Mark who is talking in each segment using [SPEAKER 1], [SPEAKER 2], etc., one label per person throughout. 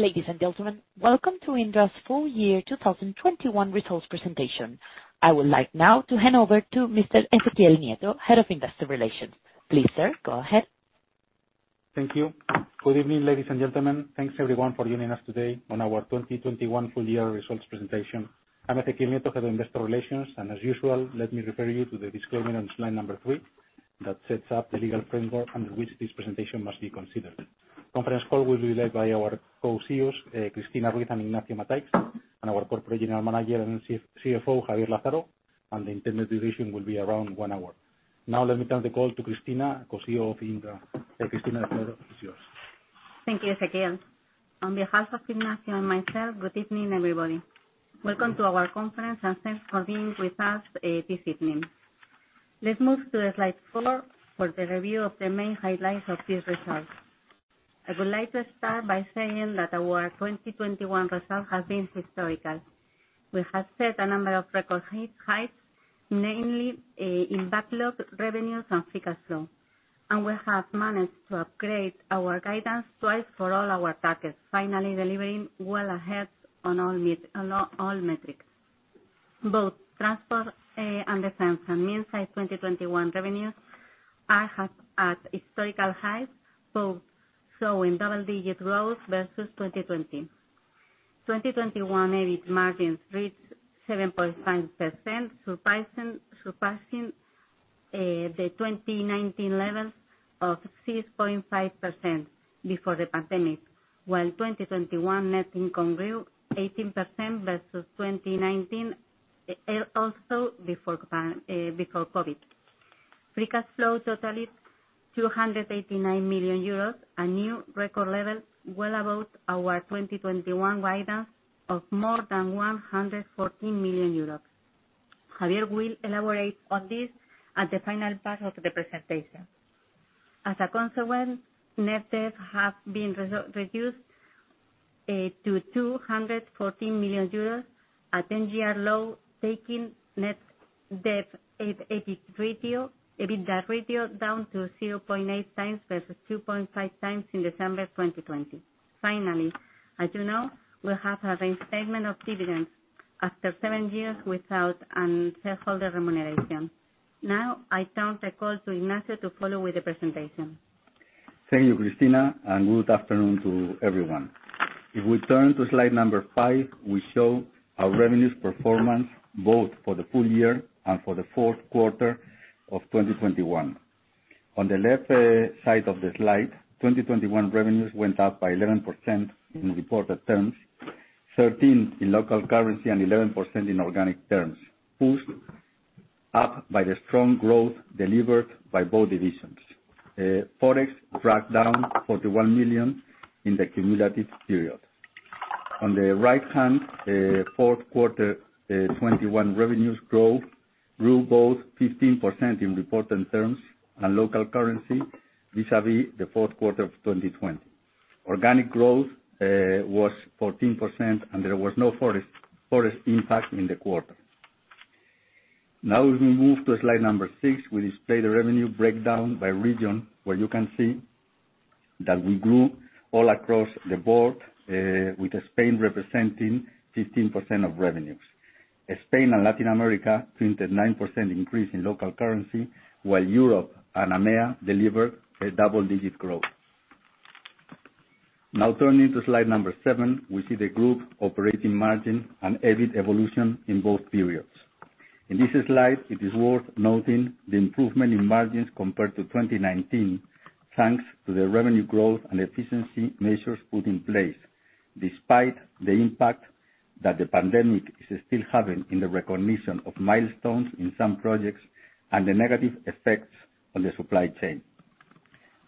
[SPEAKER 1] Ladies and gentlemen, welcome to Indra's full-year 2021 results presentation. I would like now to hand over to Mr. Ezequiel Nieto, Head of Investor Relations. Please, sir, go ahead.
[SPEAKER 2] Thank you. Good evening, ladies and gentlemen. Thanks, everyone, for joining us today on our 2021 full-year results presentation. I'm Ezequiel Nieto, Head of Investor Relations, and as usual, let me refer you to the disclaimer on slide number three that sets out the legal framework under which this presentation must be considered. Conference call will be led by our Co-Chief Executive Officers, Cristina Ruiz and Ignacio Mataix, and our Corporate General Manager and CFO, Javier Lázaro, and the intended duration will be around one hour. Now, let me turn the call to Cristina, Co-Chief Executive Officer of Indra. Cristina, the floor is yours.
[SPEAKER 3] Thank you, Ezequiel. On behalf of Ignacio and myself, good evening, everybody. Welcome to our conference and thanks for being with us this evening. Let's move to slide four for the review of the main highlights of these results. I would like to start by saying that our 2021 results have been historical. We have set a number of record heights, mainly in backlog revenues and free cash flow. We have managed to upgrade our guidance twice for all our targets, finally delivering well ahead on all metrics. Both Transport and Defense and Minsait 2021 revenues are at historical highs, both showing double-digit growth versus 2020. 2021 EBIT margins reached 7.5%, surpassing the 2019 levels of 6.5% before the pandemic, while 2021 net income grew 18% versus 2019, also before COVID. Free cash flow totaled 289 million euros, a new record level well above our 2021 guidance of more than 114 million euros. Javier will elaborate on this at the final part of the presentation. As a consequence, net debt has been reduced to 214 million euros, a ten-year low, taking net debt EBITDA ratio down to 0.8x versus 2.5x in December 2020. Finally, as you know, we have a reinstatement of dividends after seven years without a shareholder remuneration. Now, I turn the call to Ignacio to follow with the presentation.
[SPEAKER 4] Thank you, Cristina, and good afternoon to everyone. If we turn to slide number five, we show our revenues performance both for the full-year and for the fourth quarter of 2021. On the left side of the slide, 2021 revenues went up by 11% in reported terms, 13% in local currency, and 11% in organic terms, pushed up by the strong growth delivered by both divisions. Forex dragged down 41 million in the cumulative period. On the right hand, fourth quarter 2021 revenues grew both 15% in reported terms and local currency vis-à-vis the fourth quarter of 2020. Organic growth was 14%, and there was no Forex impact in the quarter. Now, as we move to slide six, we display the revenue breakdown by region, where you can see that we grew all across the board with Spain representing 15% of revenues. Spain and Latin America printed 9% increase in local currency, while Europe and EMEA delivered a double-digit growth. Now turning to slide seven, we see the group operating margin and EBIT evolution in both periods. In this slide, it is worth noting the improvement in margins compared to 2019, thanks to the revenue growth and efficiency measures put in place, despite the impact that the pandemic is still having in the recognition of milestones in some projects and the negative effects on the supply chain.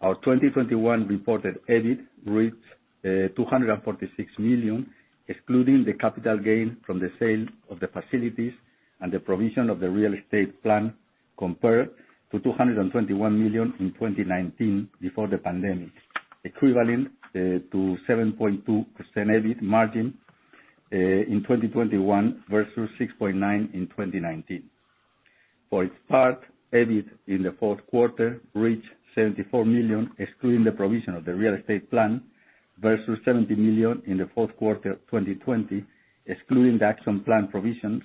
[SPEAKER 4] Our 2021 reported EBIT reached 246 million, excluding the capital gain from the sale of the facilities and the provision of the real estate plan, compared to 221 million in 2019 before the pandemic, equivalent to 7.2% EBIT margin in 2021 versus 6.9% in 2019. For its part, EBIT in the fourth quarter reached 74 million, excluding the provision of the real estate plan, versus 70 million in the fourth quarter 2020, excluding the action plan provisions,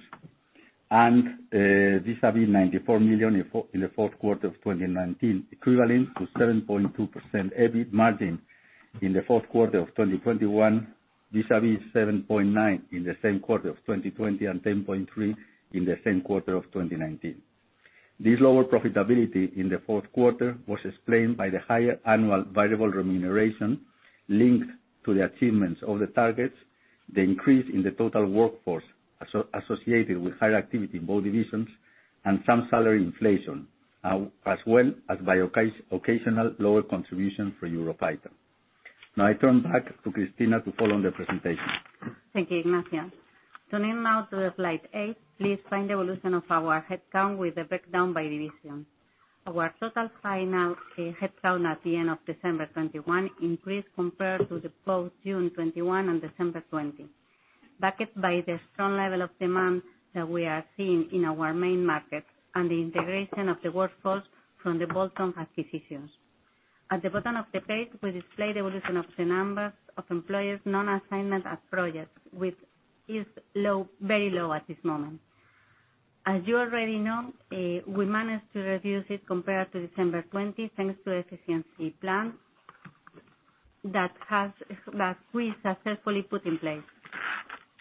[SPEAKER 4] and vis-a-vis 94 million in the fourth quarter of 2019, equivalent to 7.2% EBIT margin in the fourth quarter of 2021, vis-a-vis 7.9% in the same quarter of 2020 and 10.3% in the same quarter of 2019. This lower profitability in the fourth quarter was explained by the higher annual variable remuneration linked to the achievements of the targets, the increase in the total workforce associated with higher activity in both divisions, and some salary inflation, as well as by occasional lower contribution for Eurofighter. Now I turn back to Cristina to follow on the presentation.
[SPEAKER 3] Thank you, Ignacio. Turning now to slide eight, please find the evolution of our headcount with the breakdown by division. Our total final headcount at the end of December 2021 increased compared to both June 2021 and December 2020. Backed by the strong level of demand that we are seeing in our main market and the integration of the workforce from the bolt-on acquisitions. At the bottom of the page, we display the evolution of the numbers of employees non-assigned to projects, which is low, very low at this moment. As you already know, we managed to reduce it compared to December 2020, thanks to efficiency plan that we successfully put in place.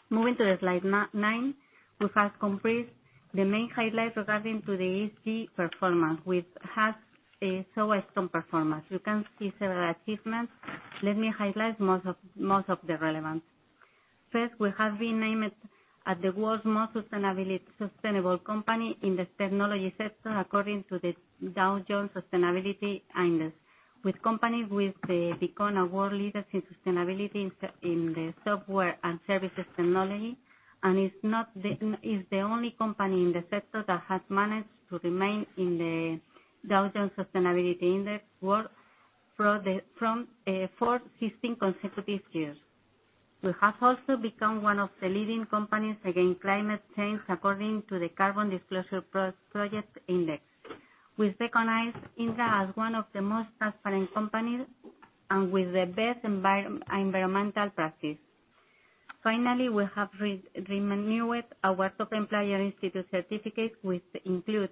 [SPEAKER 3] Moving to slide nine, we have compiled the main highlights regarding the ESG performance, which has also strong performance. You can see several achievements. Let me highlight most of the relevance. First, we have been named as the world's most sustainable company in the technology sector, according to the Dow Jones Sustainability Index. With companies we've become a world leader in sustainability in the software and services technology, and is the only company in the sector that has managed to remain in the Dow Jones Sustainability Index for 15 consecutive years. We have also become one of the leading companies against climate change according to the Carbon Disclosure Project Index, which recognize Indra as one of the most transparent companies and with the best environmental practice. Finally, we have renewed our Top Employers Institute certificate, which includes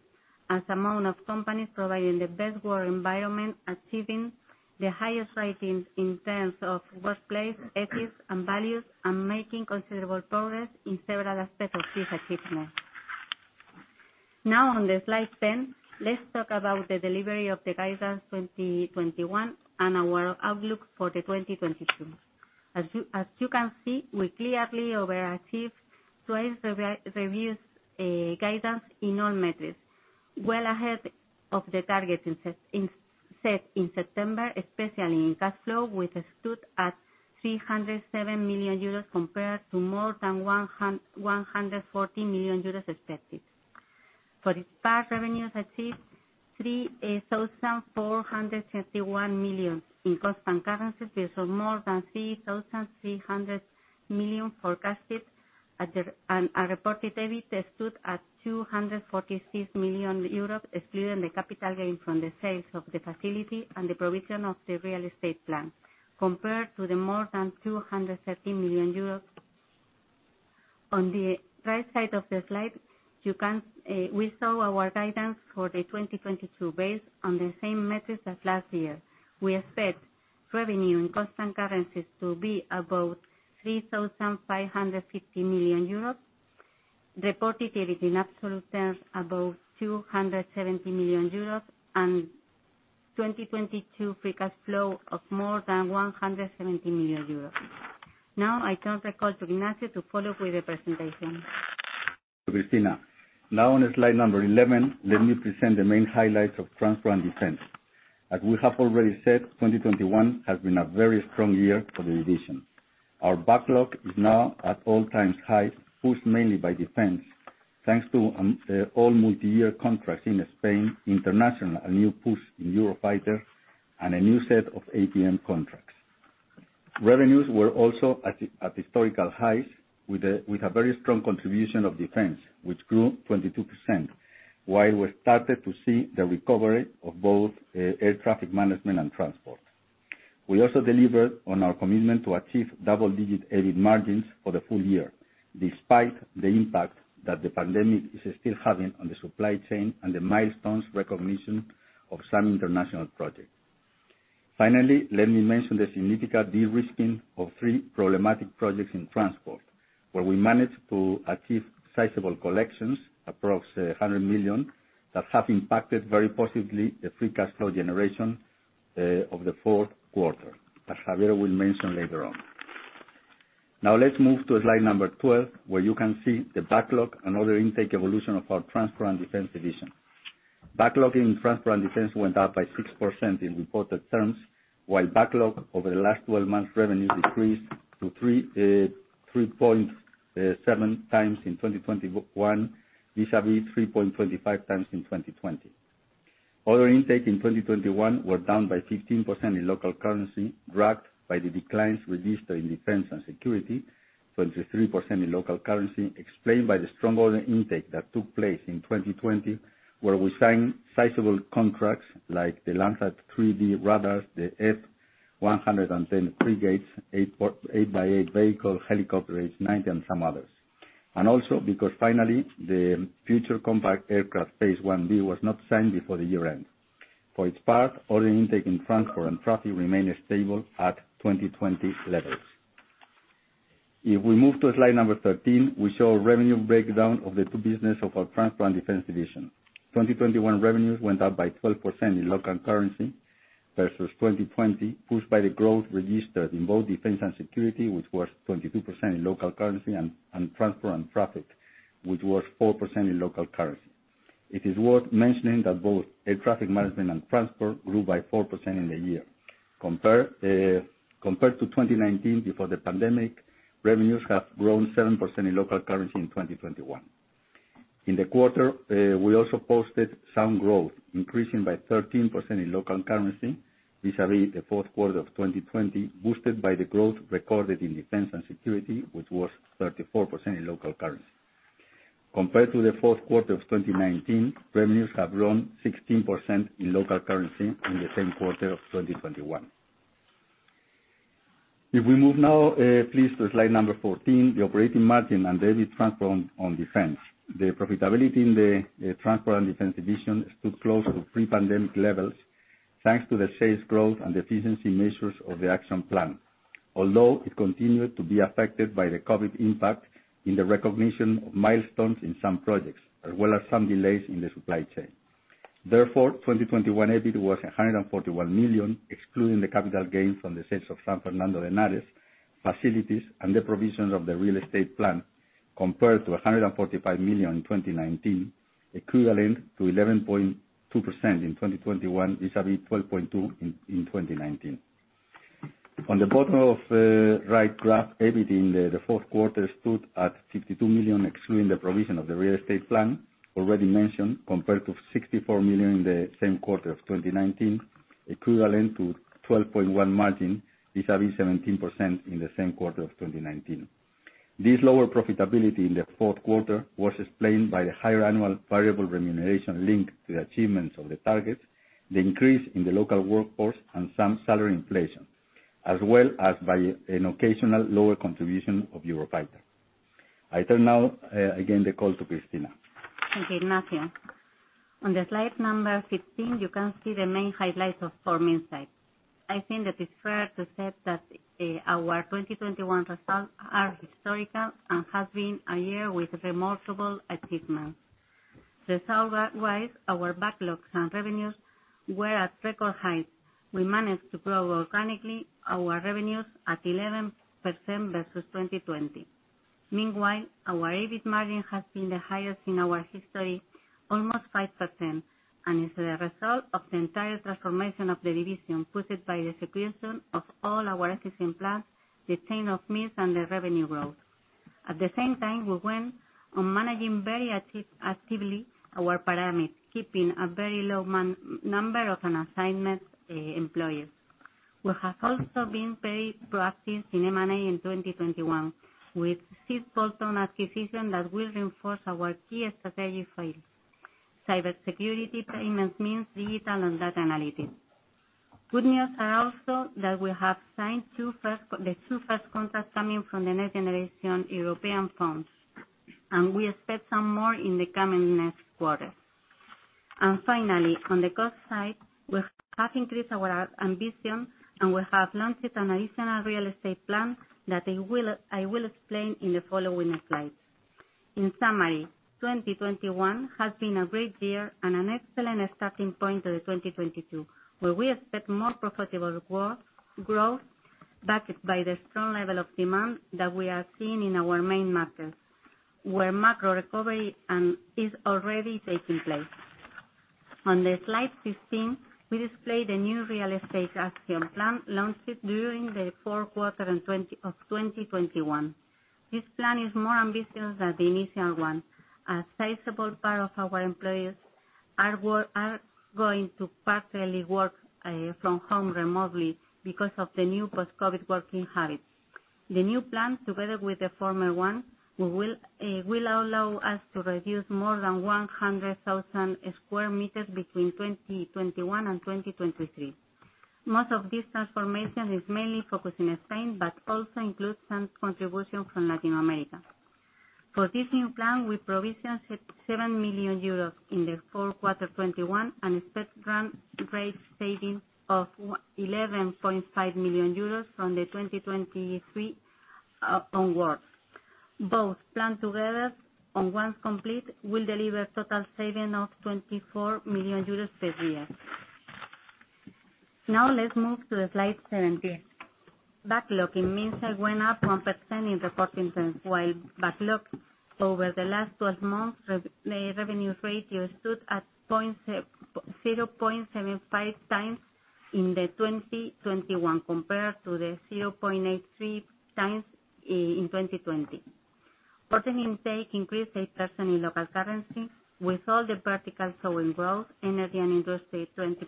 [SPEAKER 3] an amount of companies providing the best work environment, achieving the highest ratings in terms of workplace ethics and values, and making considerable progress in several aspects of this achievement. Now on slide 10, let's talk about the delivery of the guidance 2021 and our outlook for the 2022. As you can see, we clearly overachieved twice the revenue guidance in all metrics. Well ahead of the target in September, especially in cash flow, which stood at 307 million euros compared to more than 140 million euros expected. For its part, revenues achieved 3.431 billion in constant currencies versus more than 3.300 billion forecasted. A reported EBIT stood at 246 million euros, excluding the capital gain from the sales of the facility and the provision of the real estate plan, compared to more than 230 million euros. On the right side of the slide, we saw our guidance for 2022 based on the same methods as last year. We expect revenue in constant currencies to be above 3.550 billion euros. Reported EBIT in absolute terms above 270 million euros, and 2022 free cash flow of more than 170 million euros. Now I turn the call to Ignacio to follow up with the presentation.
[SPEAKER 4] To Cristina. Now on slide number 11, let me present the main highlights of Transport and Defense. As we have already said, 2021 has been a very strong year for the division. Our backlog is now at all-time high, pushed mainly by defense, thanks to all multi-year contracts in Spain, international, a new push in Eurofighter and a new set of APM contracts. Revenues were also at historical highs with a very strong contribution of defense, which grew 22%, while we started to see the recovery of both air traffic management and transport. We also delivered on our commitment to achieve double-digit EBIT margins for the full-year, despite the impact that the pandemic is still having on the supply chain and the milestones recognition of some international projects. Finally, let me mention the significant de-risking of three problematic projects in transport, where we managed to achieve sizable collections, approx. 100 million, that have impacted very positively the free cash flow generation of the fourth quarter, as Javier will mention later on. Now let's move to slide number 12, where you can see the backlog and order intake evolution of our Transport and Defense division. Backlog in Transport and Defense went up by 6% in reported terms, while backlog over the last 12 months revenues increased to 3.7x in 2021, vis-a-vis 3.25x in 2020. Order intake in 2021 was down by 15% in local currency, dragged by the declines registered in Defense and Security, 23% in local currency, explained by the strong order intake that took place in 2020, where we signed sizable contracts like the Lanza 3D radars, the F-110 frigates, 8x8 vehicle, NH90 helicopter, and some others. Also because finally, the Future Combat Air System Phase 1B was not signed before the year-end. For its part, order intake in Transport and Traffic remained stable at 2020 levels. If we move to slide 13, we show revenue breakdown of the two business of our Transport and Defense division. 2021 revenues went up by 12% in local currency versus 2020, pushed by the growth registered in both Defense and Security, which was 22% in local currency, and Transport and Traffic, which was 4% in local currency. It is worth mentioning that both air traffic management and transport grew by 4% in the year. Compared to 2019 before the pandemic, revenues have grown 7% in local currency in 2021. In the quarter, we also posted some growth, increasing by 13% in local currency vis-a-vis the fourth quarter of 2020, boosted by the growth recorded in Defense and Security, which was 34% in local currency. Compared to the fourth quarter of 2019, revenues have grown 16% in local currency in the same quarter of 2021. If we move now, please, to slide number 14, the operating margin and EBIT transformed on defense. The profitability in the Transport and Defense division stood close to pre-pandemic levels, thanks to the sales growth and efficiency measures of the action plan. Although it continued to be affected by the COVID impact in the recognition of milestones in some projects, as well as some delays in the supply chain. Therefore, 2021 EBIT was 141 million, excluding the capital gains from the sales of San Fernando de Henares facilities and the provisions of the real estate plan, compared to 145 million in 2019, equivalent to 11.2% in 2021, vis-a-vis 12.2 in 2019. On the bottom of the right graph, EBIT in the fourth quarter stood at 52 million, excluding the provision of the real estate plan already mentioned, compared to 64 million in the same quarter of 2019, equivalent to 12.1% margin, vis-à-vis 17% in the same quarter of 2019. This lower profitability in the fourth quarter was explained by the higher annual variable remuneration linked to the achievements of the targets, the increase in the local workforce, and some salary inflation, as well as by an occasional lower contribution of Eurofighter. I turn now again the call to Cristina.
[SPEAKER 3] Thank you, Ignacio. On the slide number 15, you can see the main highlights of Minsait. I think that it's fair to say that our 2021 results are historic and it has been a year with remarkable achievement. Result-wise, our backlogs and revenues were at record highs. We managed to grow organically our revenues at 11% versus 2020. Meanwhile, our EBIT margin has been the highest in our history, almost 5%, and is the result of the entire transformation of the division pushed by the execution of all our existing plans, the change of mix and the revenue growth. At the same time, we went on managing very actively our pyramid, keeping a very low number of unassigned employees. We have also been very proactive in M&A in 2021 with six bolt-on acquisitions that will reinforce our key strategic fields: cybersecurity, payments, mix, digital, and data analytics. Good news is also that we have signed the two first contracts coming from the next generation European funds, and we expect some more in the coming next quarters. Finally, on the cost side, we have increased our ambition, and we have launched an additional real estate plan that I will explain in the following slides. In summary, 2021 has been a great year and an excellent starting point to 2022, where we expect more profitable growth backed by the strong level of demand that we are seeing in our main markets, where macro recovery is already taking place. On the slide 15, we display the new real estate action plan launched during the fourth quarter of 2021. This plan is more ambitious than the initial one. A sizable part of our employees are going to partially work from home remotely because of the new post-COVID working habits. The new plan, together with the former one, will allow us to reduce more than 100,000 sq m between 2021 and 2023. Most of this transformation is mainly focused in Spain, but also includes some contribution from Latin America. For this new plan, we provision 7 million euros in the fourth quarter of 2021 and expect run-rate savings of 11.5 million euros from 2023 onwards. Both plan together once complete will deliver total saving of 24 million euros per year. Now let's move to slide 17. Backlog in Minsait went up 1% in the reporting term, while backlog over the last 12 months to the revenues ratio stood at 0.75x in 2021 compared to the 0.83x in 2020. Ordering intake increased 8% in local currency, with all the verticals showing growth: energy and industry, 22%,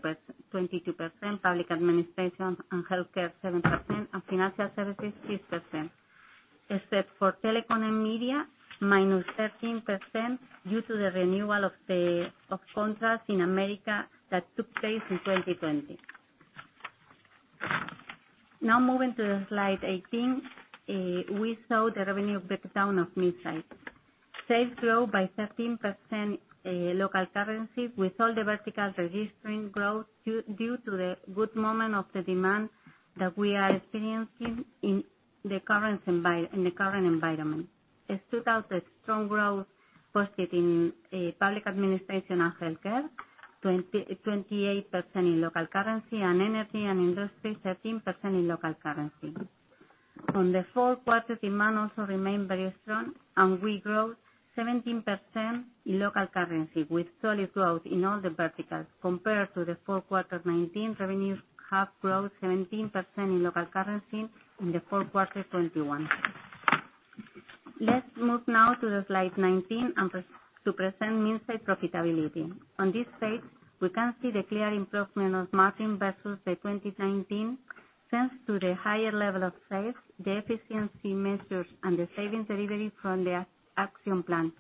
[SPEAKER 3] public administration and healthcare, 7%, and financial services, 6%. Except for telecom and media, -13% due to the renewal of contracts in America that took place in 2020. Now moving to slide 18, we saw the revenue breakdown of Minsait. Sales grow by 13%, local currency, with all the verticals registering growth due to the good moment of the demand that we are experiencing in the current environment. It stood out the strong growth posted in public administration and healthcare, 28% in local currency, and energy and industry, 13% in local currency. In the fourth quarter, demand also remained very strong, and we grew 17% in local currency with solid growth in all the verticals compared to the fourth quarter 2019. Revenues have grown 17% in local currency in the fourth quarter 2021. Let's move now to the slide 19 and to present insight profitability. On this page, we can see the clear improvement of margin versus 2019. Thanks to the higher level of sales, the efficiency measures, and the savings delivery from the action plan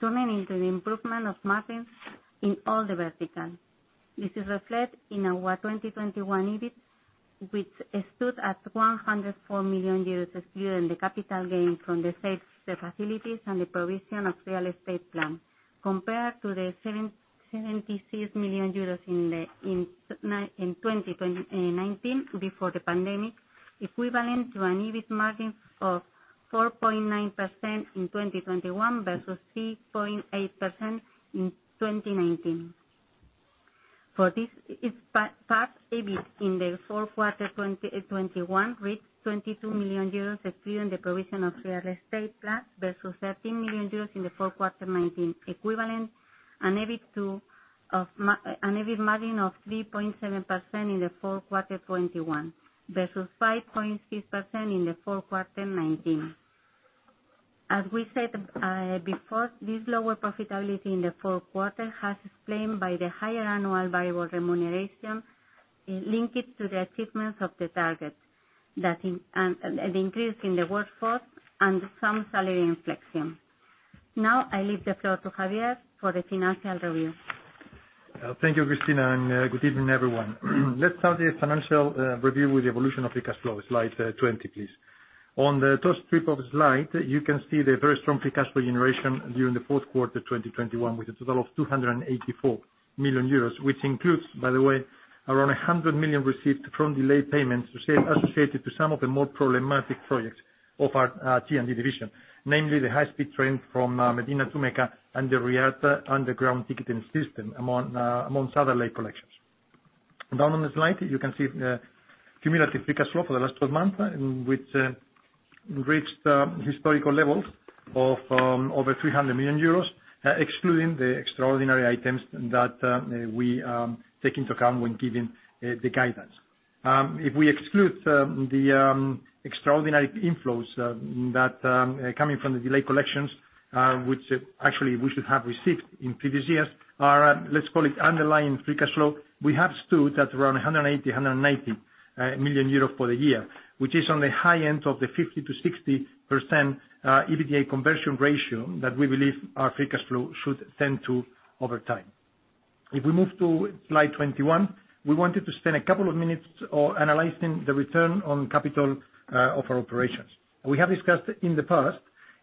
[SPEAKER 3] turning into the improvement of margin in all the vertical. This is reflected in our 2021 EBIT, which stood at 104 million euros, excluding the capital gain from the sales, the facilities and the provision of real estate plan, compared to the 776 million euros in 2019 before the pandemic, equivalent to an EBIT margin of 4.9% in 2021 versus 3.8% in 2019. For this, it's EBIT in the fourth quarter 2021 reached 22 million euros, excluding the provision of real estate plan versus 13 million euros in the fourth quarter 2019 equivalent and an EBIT margin of 3.7% in the fourth quarter 2021 versus 5.6% in the fourth quarter 2019. As we said before, this lower profitability in the fourth quarter has explained by the higher annual variable remuneration linked to the achievements of the target and an increase in the workforce and some salary inflation. Now I leave the floor to Javier for the financial review.
[SPEAKER 5] Thank you, Cristina, and good evening, everyone. Let's start the financial review with the evolution of free cash flow. Slide 20, please. On the top strip of slide, you can see the very strong free cash flow generation during the fourth quarter of 2021, with a total of 284 million euros, which includes, by the way, around 100 million received from delayed payments associated to some of the more problematic projects of our T&D division, namely the high-speed train from Medina to Mecca and the Riyadh underground ticketing system, among other late collections. Down on the slide, you can see cumulative free cash flow for the last 12 months, which reached historical levels of over 300 million euros excluding the extraordinary items that we take into account when giving the guidance. If we exclude the extraordinary inflows that coming from the delayed collections, which actually we should have received in previous years, our, let's call it, underlying free cash flow, we have stood at around 180 million-190 million euros for the year, which is on the high end of the 50%-60% EBITDA conversion ratio that we believe our free cash flow should tend to over time. If we move to slide 21, we wanted to spend a couple of minutes analyzing the return on capital of our operations. We have discussed in the past,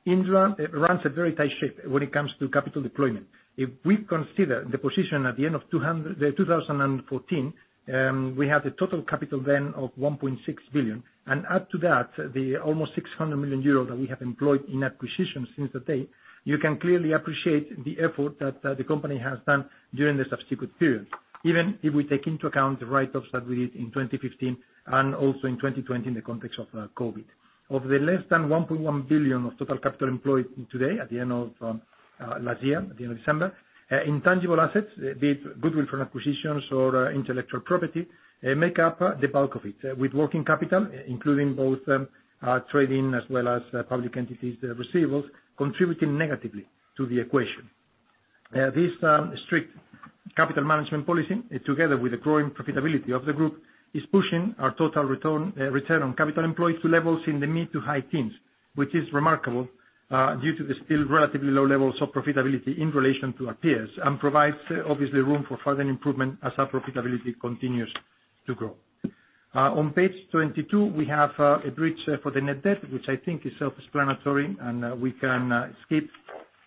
[SPEAKER 5] Indra runs a very tight ship when it comes to capital deployment. If we consider the position at the end of 2014, we have the total capital then of 1.6 billion. Add to that the almost 600 million euro that we have employed in acquisitions since that day, you can clearly appreciate the effort that the company has done during the subsequent period. Even if we take into account the write-offs that we did in 2015 and also in 2020 in the context of COVID. Of the less than 1.1 billion of total capital employed today at the end of last year, at the end of December, intangible assets, be it goodwill from acquisitions or intellectual property, make up the bulk of it, with working capital, including both trading as well as public entities receivables, contributing negatively to the equation. This strict capital management policy, together with the growing profitability of the group, is pushing our total return on capital employed to levels in the mid to high teens, which is remarkable due to the still relatively low levels of profitability in relation to our peers, and provides obviously room for further improvement as our profitability continues to grow. On page 22, we have a bridge for the net debt, which I think is self-explanatory and we can skip.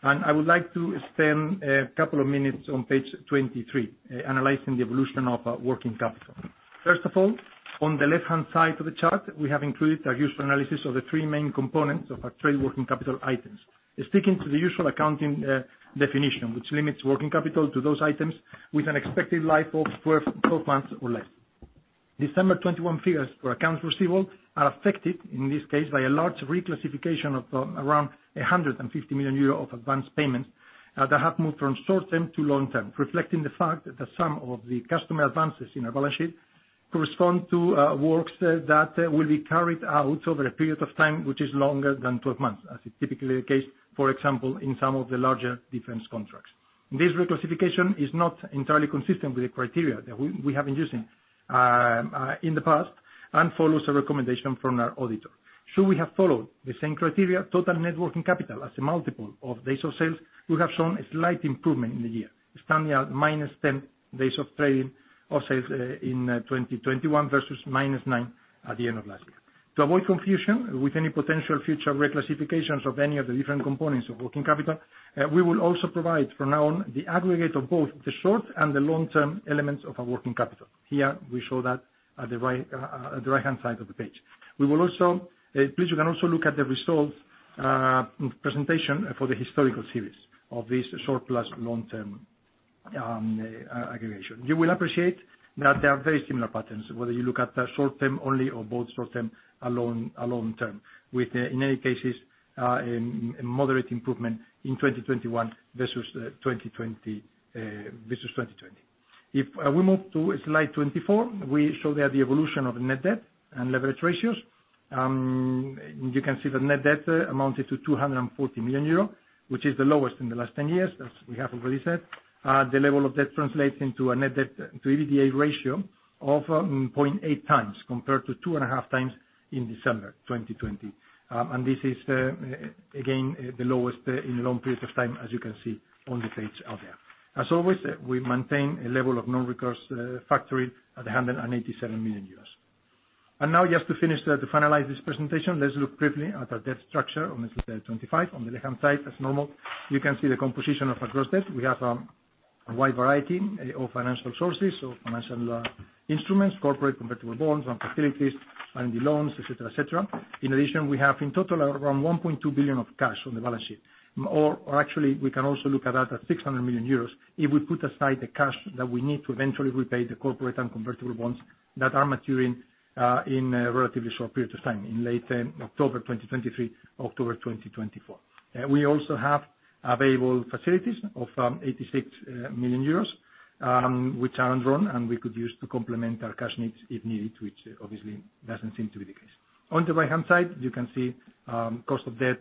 [SPEAKER 5] I would like to spend a couple of minutes on page 23, analyzing the evolution of working capital. First of all, on the left-hand side of the chart, we have included our usual analysis of the three main components of our trade working capital items. Sticking to the usual accounting definition, which limits working capital to those items with an expected life of 12 months or less. December 21 figures for accounts receivable are affected, in this case, by a large reclassification of around 150 million euro of advanced payments that have moved from short-term to long-term, reflecting the fact that some of the customer advances in our balance sheet correspond to works that will be carried out over a period of time which is longer than 12 months, as is typically the case, for example, in some of the larger defense contracts. This reclassification is not entirely consistent with the criteria that we have been using in the past, and follows a recommendation from our auditor. Should we have followed the same criteria, total net working capital as a multiple of days of sales would have shown a slight improvement in the year, standing at -10 days of trading or sales in 2021 versus -9 at the end of last year. To avoid confusion with any potential future reclassifications of any of the different components of working capital, we will also provide from now on the aggregate of both the short and the long-term elements of our working capital. Here, we show that at the right-hand side of the page. We will also, please, you can also look at the results presentation for the historical series of this short plus long-term aggregation. You will appreciate that they are very similar patterns, whether you look at the short term only or both short term and long term, with, in any case, a moderate improvement in 2021 versus 2020. If we move to slide 24, we show there the evolution of net debt and leverage ratios. You can see the net debt amounted to 240 million euro, which is the lowest in the last 10 years, as we have already said. The level of debt translates into a net debt to EBITDA ratio of 0.8x compared to 2.5 times in December 2020. This is again the lowest in a long period of time, as you can see on the page out there. As always, we maintain a level of non-recourse factoring at 187 million euros. Now just to finish, to finalize this presentation, let's look briefly at our debt structure on the slide 25. On the left-hand side, as normal, you can see the composition of our gross debt. We have a wide variety of financial sources. Financial instruments, corporate convertible bonds and facilities and the loans, et cetera. In addition, we have in total around 1.2 billion of cash on the balance sheet. Or actually we can also look at that as 600 million euros if we put aside the cash that we need to eventually repay the corporate and convertible bonds that are maturing in a relatively short period of time, in late October 2023, October 2024. We also have available facilities of 86 million euros, which aren't drawn, and we could use to complement our cash needs if needed, which obviously doesn't seem to be the case. On the right-hand side, you can see cost of debt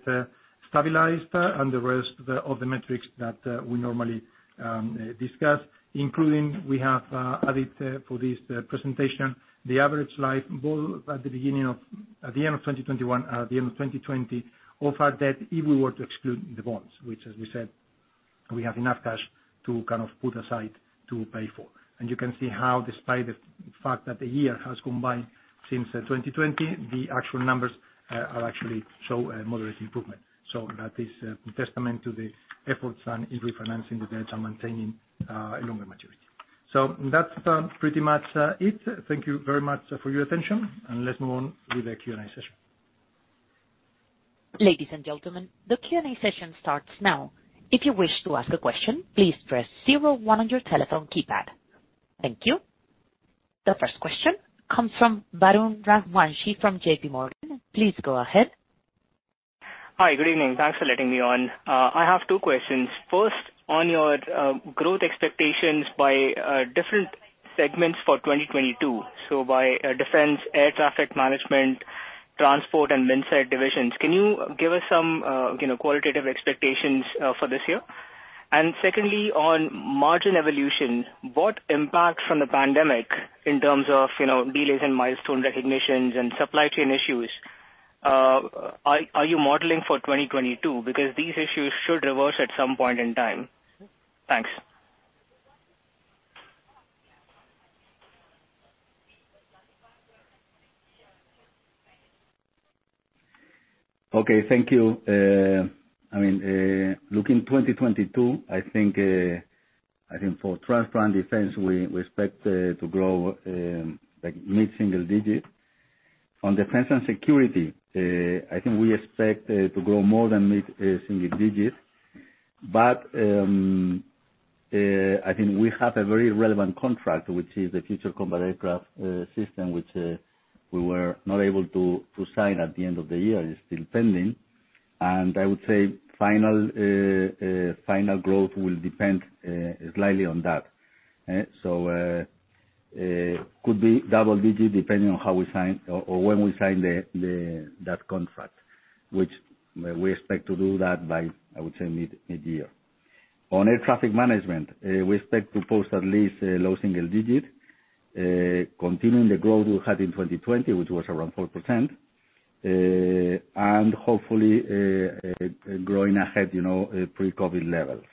[SPEAKER 5] stabilized and the rest of the metrics that we normally discuss, including we have added for this presentation, the average life both at the end of 2021, at the end of 2020 of our debt, if we were to exclude the bonds, which as we said, we have enough cash to kind of put aside to pay for. You can see how, despite the fact that the year has passed since 2020, the actual numbers actually show a moderate improvement. That is a testament to the efforts in refinancing the debt and maintaining a longer maturity. That's pretty much it. Thank you very much for your attention, and let's move on with the Q&A session.
[SPEAKER 1] Ladies and gentlemen, the Q&A session starts now. If you wish to ask a question, please press zero one on your telephone keypad. Thank you. The first question comes from Varun Rajwanshi from JPMorgan. Please go ahead.
[SPEAKER 6] Hi. Good evening. Thanks for letting me on. I have two questions. First, on your growth expectations by different segments for 2022, so by defense, air traffic management, transport and Minsait divisions, can you give us some, you know, qualitative expectations for this year? Secondly, on margin evolution, what impact from the pandemic in terms of, you know, delays in milestone recognitions and supply chain issues are you modeling for 2022? Because these issues should reverse at some point in time. Thanks.
[SPEAKER 4] Okay. Thank you. I mean, looking 2022, I think for Transport and Defense, we expect to grow like mid-single-digit. On Defense and Security, I think we expect to grow more than mid-single-digit. I think we have a very relevant contract, which is the Future Combat Air System, which we were not able to sign at the end of the year. It's still pending. I would say final growth will depend slightly on that. Could be double-digit depending on how we sign or when we sign that contract, which we expect to do by, I would say, mid-year. On air traffic management, we expect to post at least low single-digit, continuing the growth we had in 2020, which was around 4%, and hopefully growing ahead, you know, pre-COVID levels.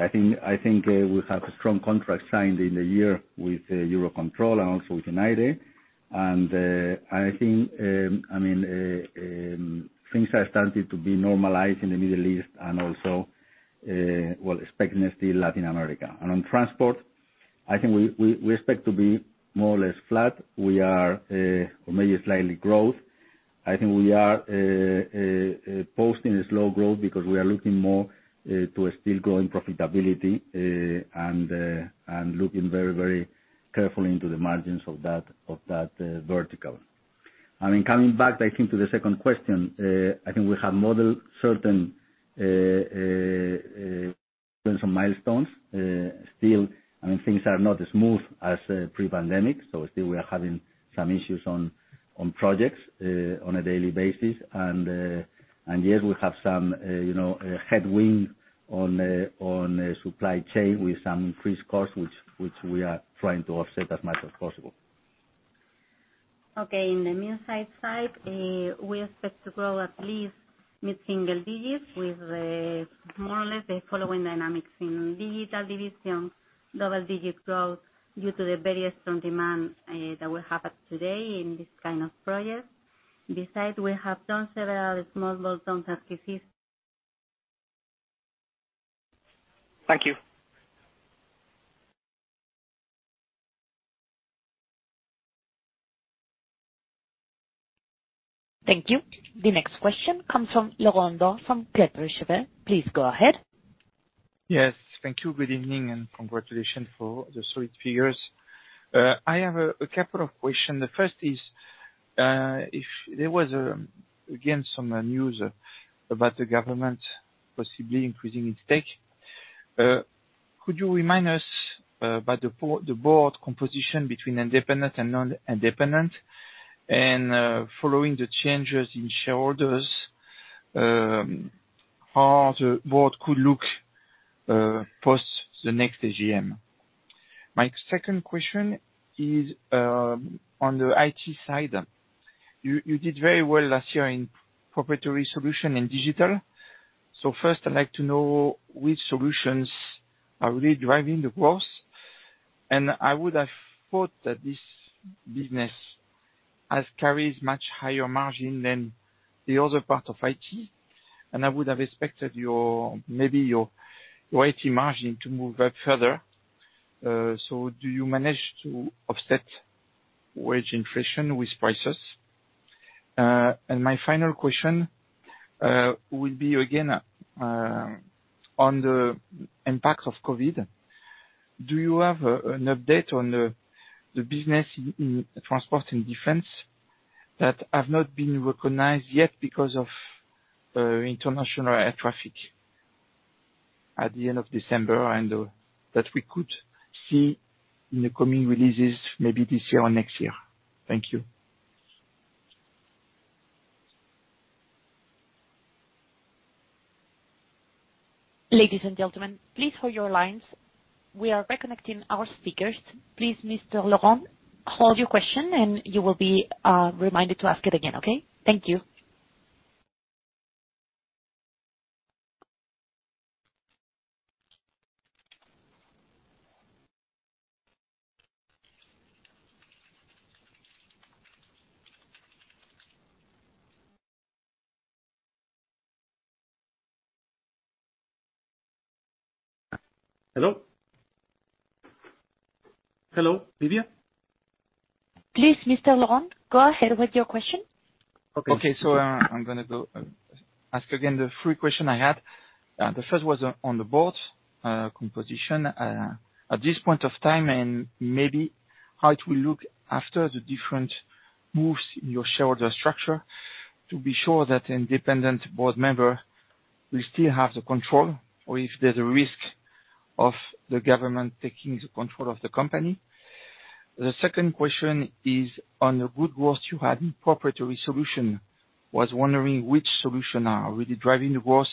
[SPEAKER 4] I think we have a strong contract signed in the year with EUROCONTROL and also with ENAIRE. I mean, things have started to be normalized in the Middle East and also, we're expecting in Latin America still. On transport, I think we expect to be more or less flat, or maybe a slight growth. I think we are posting a slow growth because we are looking more to a still growing profitability and looking very, very carefully into the margins of that vertical. I mean, coming back I think to the second question, I think we have modeled certain milestones. Still, I mean, things are not as smooth as pre-pandemic, so still we are having some issues on projects on a daily basis. Yes, we have some, you know, headwind on supply chain with some increased costs, which we are trying to offset as much as possible.
[SPEAKER 3] Okay. In the Minsait side, we expect to grow at least mid-single-digits with more or less the following dynamics. In digital division, double-digit growth due to the various strong demand that we have today in this kind of project. Besides, we have done several small bolt-on acquisitions.
[SPEAKER 6] Thank you.
[SPEAKER 1] Thank you. The next question comes from Laurent Daure from Kepler Cheuvreux. Please go ahead.
[SPEAKER 7] Yes. Thank you. Good evening, and congratulations for the solid figures. I have a couple of questions. The first is, if there was, again, some news about the government possibly increasing its stake, could you remind us about the board composition between independent and non-independent and, following the changes in shareholders, how the board could look post the next AGM? My second question is on the IT side. You did very well last year in proprietary solution and digital. First, I'd like to know which solutions are really driving the growth. I would have thought that this business carries much higher margin than the other part of IT. I would have expected your, maybe your IT margin to move up further. Do you manage to offset wage inflation with prices? My final question will be again on the impact of COVID. Do you have an update on the business in Transport and Defense that have not been recognized yet because of international air traffic at the end of December, and that we could see in the coming releases, maybe this year or next year? Thank you.
[SPEAKER 1] Ladies and gentlemen, please hold your lines. We are reconnecting our speakers. Please, Mr. Laurent, hold your question, and you will be reminded to ask it again. Okay? Thank you.
[SPEAKER 7] Hello? Hello, Lydia?
[SPEAKER 1] Please, Mr. Laurent, go ahead with your question.
[SPEAKER 7] Okay. I'm gonna go ask again the three question I had. The first was on the board composition at this point of time, and maybe how it will look after the different moves in your shareholder structure to be sure that independent board member will still have the control or if there's a risk of the government taking the control of the company. The second question is on the good growth you had in proprietary solution. Was wondering which solution are really driving the growth.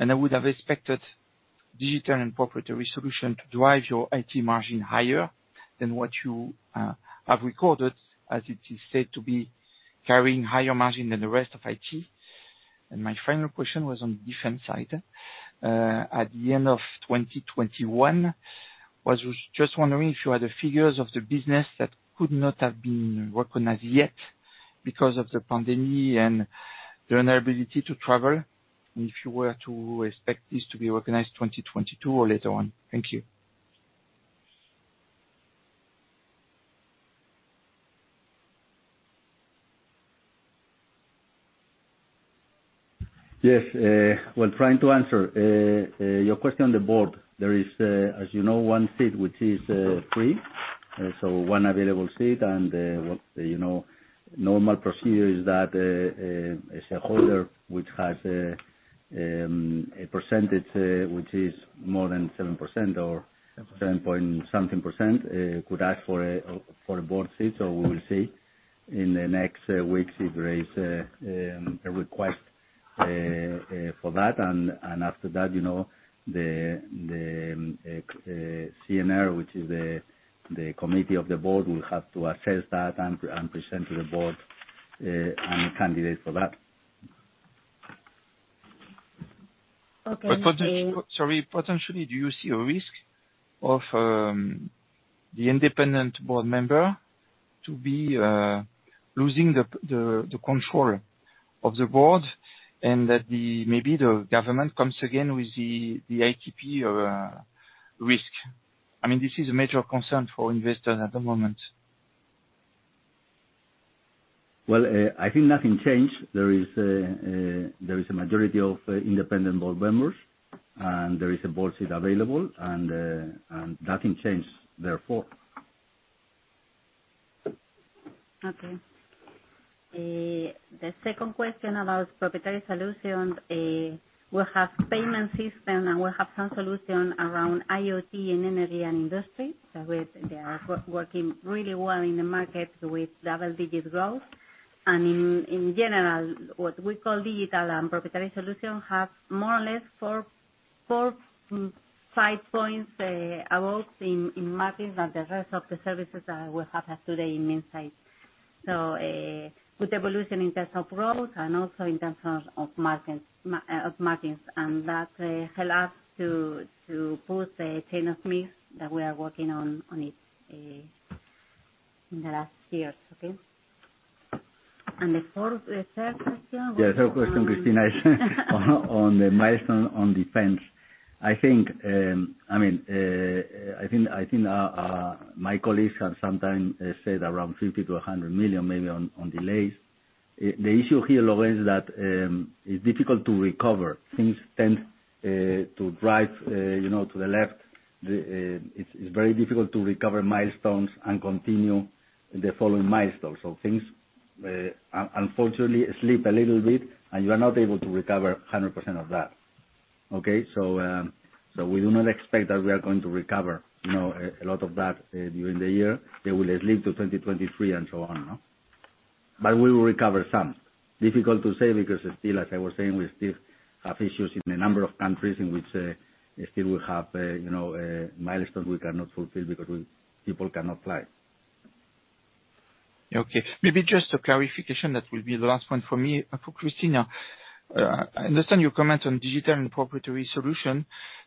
[SPEAKER 7] I would have expected digital and proprietary solution to drive your IT margin higher than what you have recorded, as it is said to be carrying higher margin than the rest of IT. My final question was on defense side. At the end of 2021, was just wondering if you had the figures of the business that could not have been recognized yet because of the pandemic and the inability to travel, and if you were to expect this to be recognized 2022 or later on. Thank you.
[SPEAKER 4] Yes. Well, trying to answer your question on the board. There is, as you know, one seat which is free, so one available seat. What, you know, normal procedure is that a shareholder which has a percentage which is more than 7% or 7-point-something percent, could ask for a board seat. So we will see in the next weeks if there is a request for that. After that, you know, the CNR, which is the committee of the board, will have to assess that and present to the board any candidates for that.
[SPEAKER 3] Okay.
[SPEAKER 7] Sorry. Potentially, do you see a risk of the independent board member to be losing the control of the board and that maybe the government comes again with the OPA or risk? I mean, this is a major concern for investors at the moment.
[SPEAKER 4] Well, I think nothing changed. There is a majority of independent board members, and there is a board seat available, and nothing changed therefore.
[SPEAKER 3] Okay. The second question about proprietary solutions, we have payment system, and we have some solution around IoT and energy and industry with they are working really well in the market with double-digit growth. In general, what we call digital and proprietary solution have more or less four to five points above in margins than the rest of the services that we have today in Minsait. Good evolution in terms of growth and also in terms of margins. That help us to push the change of mix that we are working on it in the last years. Okay. The third question-
[SPEAKER 4] Yeah, third question, Cristina, on the milestone on defense. I think, I mean, my colleagues have sometimes said around 50 million-100 million maybe on delays. The issue here, Laurent, is that it's difficult to recover. Things tend to drive, you know, to the left. It's very difficult to recover milestones and continue the following milestones. Things unfortunately slip a little bit, and you are not able to recover 100% of that. Okay. We do not expect that we are going to recover, you know, a lot of that during the year. They will slip to 2023, and so on, no. We will recover some. Difficult to say because, still, like I was saying, we still have issues in a number of countries in which we still have, you know, milestones we cannot fulfill because people cannot fly.
[SPEAKER 7] Okay. Maybe just a clarification, that will be the last one for me. For Cristina, I understand your comment on digital and proprietary solution.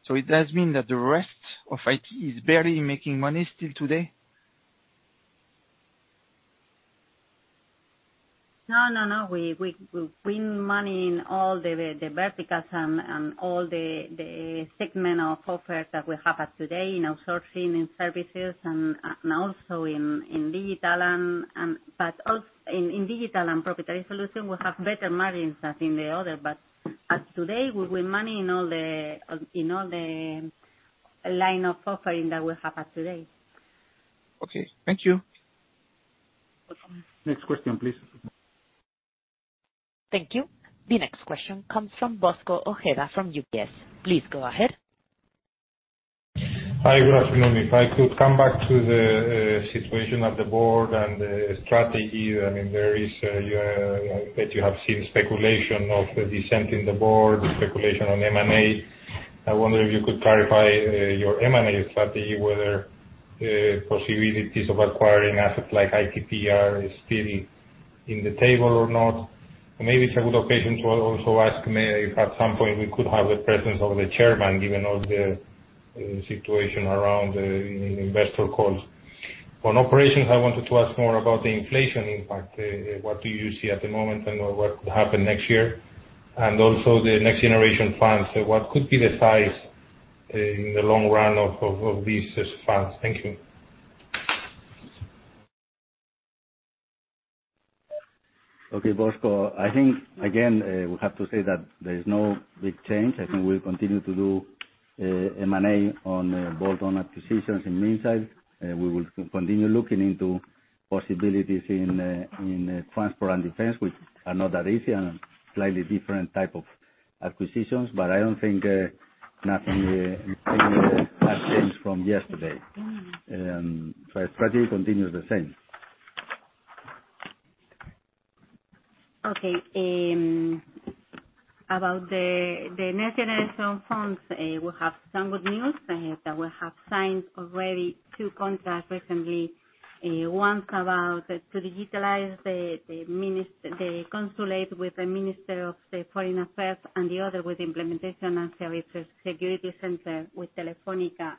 [SPEAKER 7] It does mean that the rest of IT is barely making money still today?
[SPEAKER 3] No, no. We win money in all the verticals and all the segment of offers that we have as today, you know, sourcing and services and also in digital. In digital and proprietary solution, we have better margins than in the other, but as today, we win money in all the line of offering that we have as today.
[SPEAKER 7] Okay. Thank you.
[SPEAKER 3] Welcome.
[SPEAKER 2] Next question, please.
[SPEAKER 1] Thank you. The next question comes from Bosco Ojeda from UBS. Please go ahead.
[SPEAKER 8] Hi. Good afternoon. If I could come back to the situation of the board and the strategy. I mean, you have seen speculation of a dissent in the board, the speculation on M&A. I wonder if you could clarify your M&A strategy, whether possibilities of acquiring assets like ITP Aero is still in the table or not. Maybe it's a good occasion to also ask if at some point we could have the presence of the chairman, given all the situation around the investor calls. On operations, I wanted to ask more about the inflation impact. What do you see at the moment, and what will happen next year? Also the next generation funds, so what could be the size in the long run of these funds? Thank you.
[SPEAKER 4] Okay, Bosco. I think, again, we have to say that there is no big change. I think we'll continue to do M&A on bolt-on acquisitions. In the meantime, we will continue looking into possibilities in Transport and Defense, which are not that easy and slightly different type of acquisitions. I don't think nothing has changed from yesterday. Our strategy continues the same.
[SPEAKER 3] About the next generation funds, we have some good news that we have signed already two contracts recently. One's about to digitize the consulate with the Minister of Foreign Affairs, and the other with implementation and services security center with Telefónica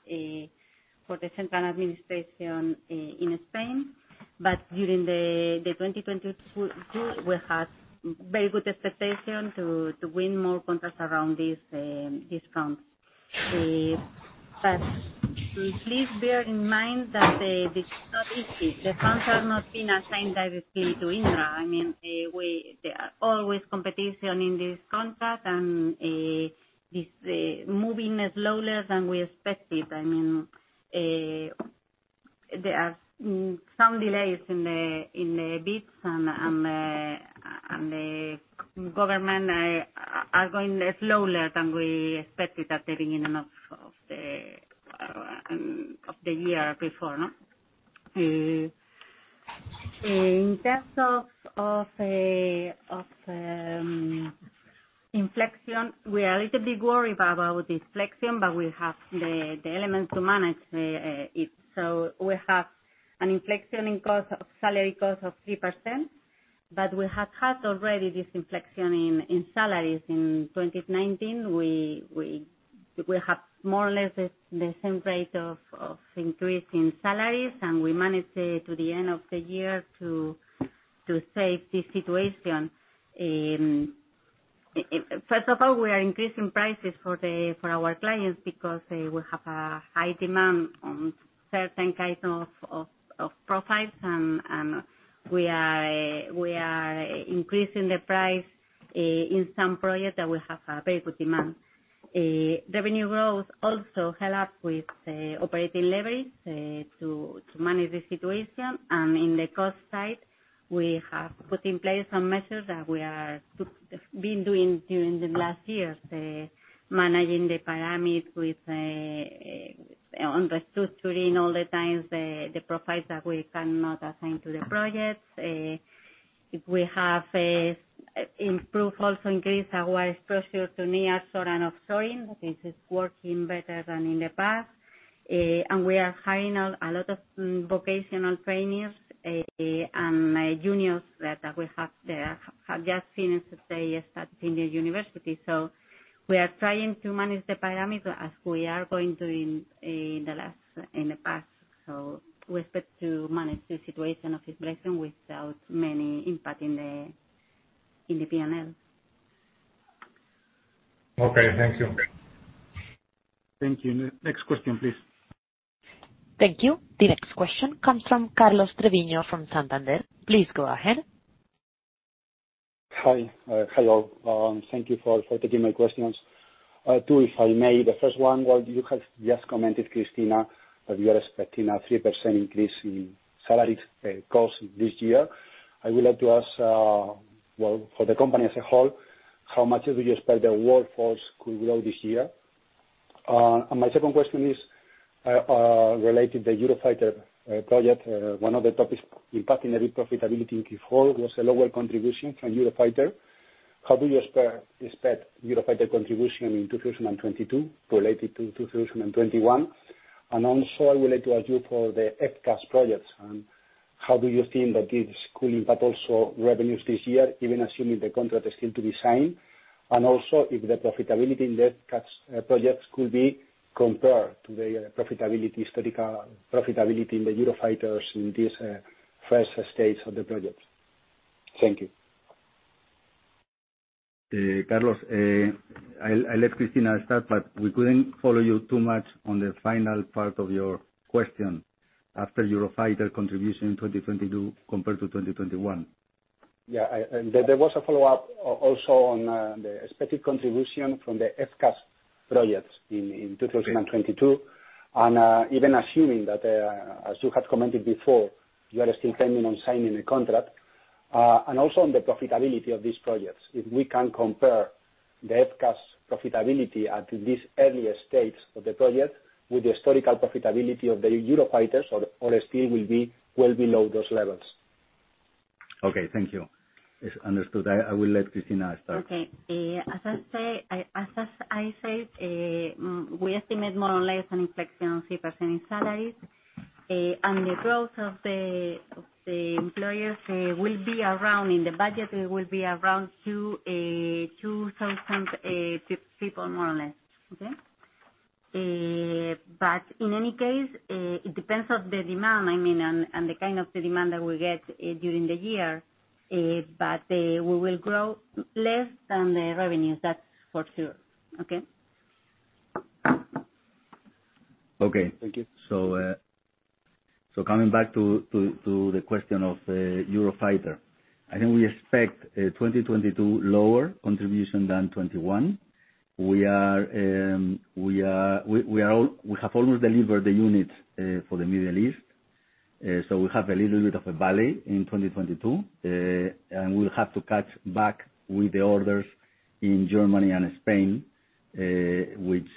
[SPEAKER 3] for the central administration in Spain. During 2022, we have very good expectation to win more contracts around this fund. Please bear in mind that it's not easy. The contracts are not being assigned directly to Indra. I mean, there are always competition in this contract and this is moving slower than we expected. I mean, there are some delays in the bids and the government are going slower than we expected at the beginning of the year before, no? In terms of inflation, we are a little bit worried about this inflation, but we have the elements to manage it. We have an inflation in cost of salary cost of 3%, but we have had already this inflation in salaries in 2019. We have more or less the same rate of increase in salaries, and we managed it to the end of the year to save this situation. First of all, we are increasing prices for our clients because we have a high demand on certain kind of profiles and we are increasing the price in some projects that we have a very good demand. Revenue growth also help us with the operating leverage to manage the situation. In the cost side, we have put in place some measures that we have been doing during the last years. Managing the pyramid with restructuring all the time the profiles that we cannot assign to the projects. We have also increased our exposure to nearshore and offshoring. This is working better than in the past. We are hiring a lot of vocational trainees and juniors that we have there have just finished in the university. We are trying to manage the pyramid as we are going doing in the past. We expect to manage the situation of inflation without many impact in the P&L.
[SPEAKER 8] Okay. Thank you.
[SPEAKER 2] Thank you. Next question, please.
[SPEAKER 1] Thank you. The next question comes from Carlos Treviño from Santander. Please go ahead.
[SPEAKER 9] Hello. Thank you for taking my questions. Two, if I may. The first one, what you have just commented, Cristina, that you are expecting a 3% increase in salary costs this year. I would like to ask, well, for the company as a whole, how much do you expect the workforce could grow this year? My second question is related to Eurofighter project. One of the topics impacting the profitability in Q4 was a lower contribution from Eurofighter. How do you expect Eurofighter contribution in 2022 related to 2021? Also, I would like to ask you for the FCAS projects, and how do you think that is going, but also revenues this year, even assuming the contract is still to be signed? Also, if the profitability in the FCAS projects could be compared to the profitability, historical profitability in the Eurofighters in this first stage of the project. Thank you.
[SPEAKER 4] Carlos, I'll let Cristina start, but we couldn't follow you too much on the final part of your question after Eurofighter contribution in 2022 compared to 2021.
[SPEAKER 9] There was a follow-up on the expected contribution from the FCAS projects in 2022. Even assuming that, as you had commented before, you are still planning on signing a contract and also on the profitability of these projects, if we can compare the FCAS profitability at this early stage of the project with the historical profitability of the Eurofighters or still will be well below those levels.
[SPEAKER 4] Okay. Thank you. It's understood. I will let Cristina start.
[SPEAKER 3] Okay. As I said, we estimate more or less an inflation of 3% in salaries. The growth of the employees will be around 2,000 people in the budget, more or less. Okay. In any case, it depends on the demand, I mean, and the kind of demand that we get during the year. We will grow less than the revenues, that's for sure. Okay.
[SPEAKER 4] Okay.
[SPEAKER 9] Thank you.
[SPEAKER 4] Coming back to the question of Eurofighter. I think we expect 2022 lower contribution than 2021. We have almost delivered the units for the Middle East. We have a little bit of a valley in 2022. We'll have to catch back with the orders in Germany and Spain, which,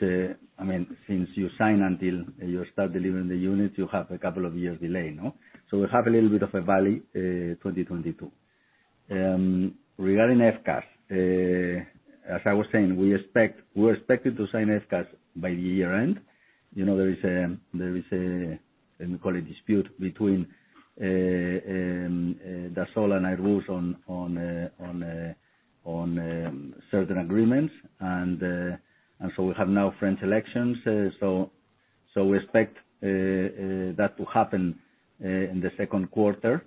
[SPEAKER 4] I mean, since you sign until you start delivering the units, you have a couple of years delay, no? We'll have a little bit of a valley 2022. Regarding FCAS, as I was saying, we expect, we're expected to sign FCAS by the year end. You know, there is a, let me call it, dispute between Dassault and Airbus on certain agreements. We have now French elections. We expect that to happen in the second quarter.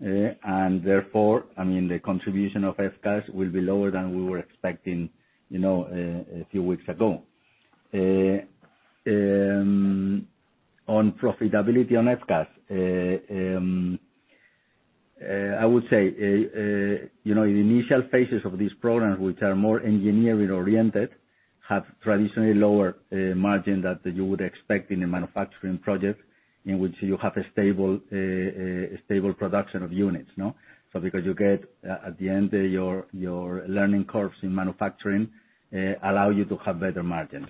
[SPEAKER 4] Therefore, I mean, the contribution of FCAS will be lower than we were expecting, you know, a few weeks ago. On profitability on FCAS, I would say, you know, in the initial phases of these programs, which are more engineering-oriented, have traditionally lower margin that you would expect in a manufacturing project in which you have a stable production of units, no? Because you get at the end your learning curves in manufacturing allow you to have better margins.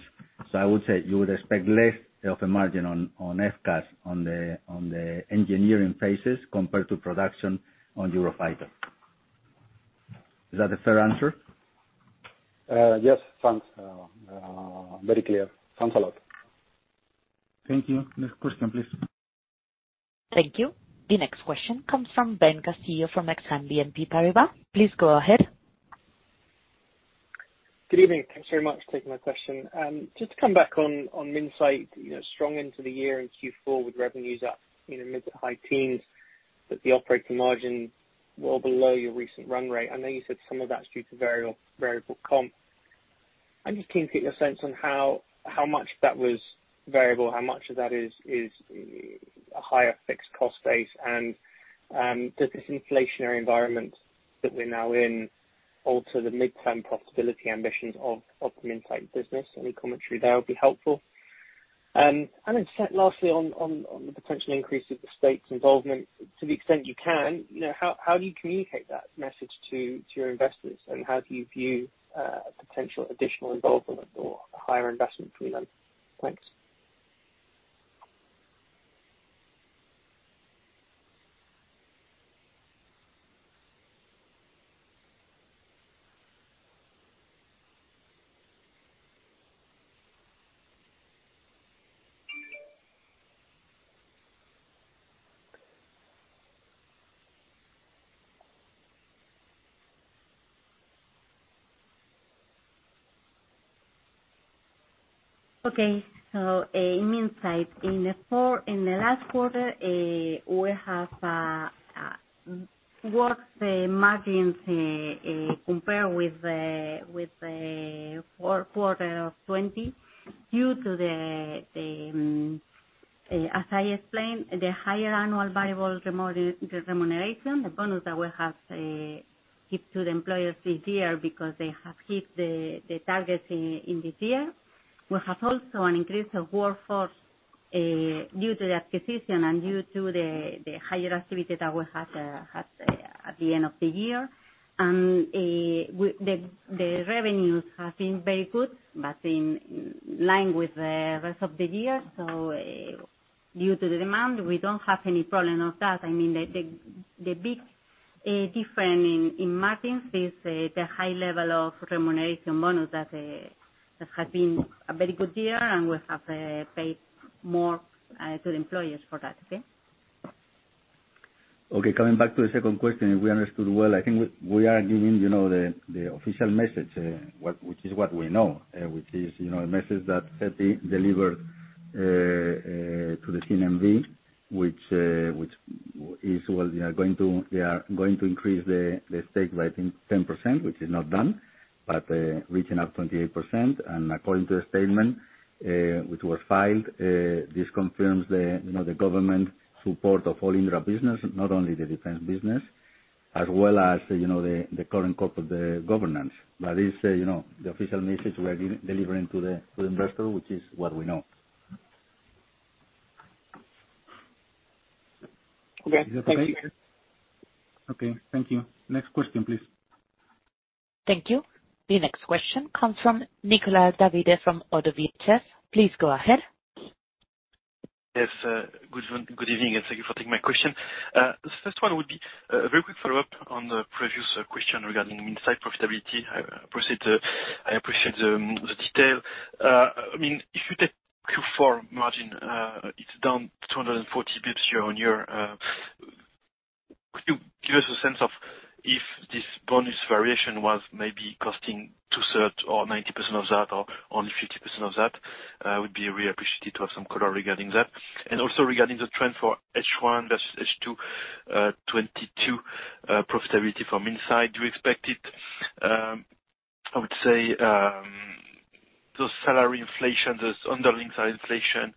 [SPEAKER 4] I would say you would expect less of a margin on FCAS on the engineering phases compared to production on Eurofighter. Is that a fair answer?
[SPEAKER 9] Yes. Thanks. Very clear. Thanks a lot.
[SPEAKER 2] Thank you. Next question, please.
[SPEAKER 1] Thank you. The next question comes from Ben Castillo from Exane BNP Paribas. Please go ahead.
[SPEAKER 10] Good evening. Thanks very much for taking my question. Just to come back on Minsait, you know, strong end to the year in Q4 with revenues up, you know, mid- to high-teens%, but the operating margin well below your recent run rate. I know you said some of that's due to variable comp. I'm just keen to get your sense on how much that was variable, how much of that is a higher fixed cost base? And does this inflationary environment that we're now in alter the midterm profitability ambitions of the Minsait business? Any commentary there would be helpful. And then, secondly, lastly on the potential increase of the state's involvement, to the extent you can, you know, how do you communicate that message to your investors? How do you view a potential additional involvement or higher investment from them? Thanks.
[SPEAKER 3] In Minsait, in the last quarter, we have worse margins compared with the fourth quarter of 2020 due to, as I explained, the higher annual variable remuneration, the bonus that we have given to the employees this year because they have hit the targets in this year. We have also an increase of workforce due to the acquisition and due to the higher activity that we have at the end of the year. The revenues have been very good, but in line with the rest of the year. Due to the demand, we don't have any problem of that. I mean, the big difference in margins is the high level of remuneration bonus that has been a very good year, and we have paid more to the employees for that. Okay?
[SPEAKER 4] Okay. Coming back to the second question, if we understood well, I think we are giving, you know, the official message, which is what we know, which is, you know, a message that SEPI delivered to the CNMV, which is, well, they are going to increase the stake by, I think, 10%, which is not done, but reaching up 28%. According to the statement, which was filed, this confirms the, you know, the government support of all Indra business, not only the defense business, as well as, you know, the current governance. That is, you know, the official message we're giving, delivering to the investor, which is what we know.
[SPEAKER 10] Okay. Thank you.
[SPEAKER 2] Next question, please.
[SPEAKER 1] Thank you. The next question comes from Nicolas David from ODDO BHF. Please go ahead.
[SPEAKER 11] Yes. Good one, good evening, and thank you for taking my question. First one would be a very quick follow-up on the previous question regarding Minsait profitability. I appreciate the detail. I mean, if you take Q4 margin, it's down 240 basis points year-over-year. Could you give us a sense of if this bonus variation was maybe costing two-thirds or 90% of that, or only 50% of that? Would be really appreciative of some color regarding that. Also regarding the trend for H1 versus H2 2022 profitability from Minsait, do you expect it, I would say, those underlying salary inflation trends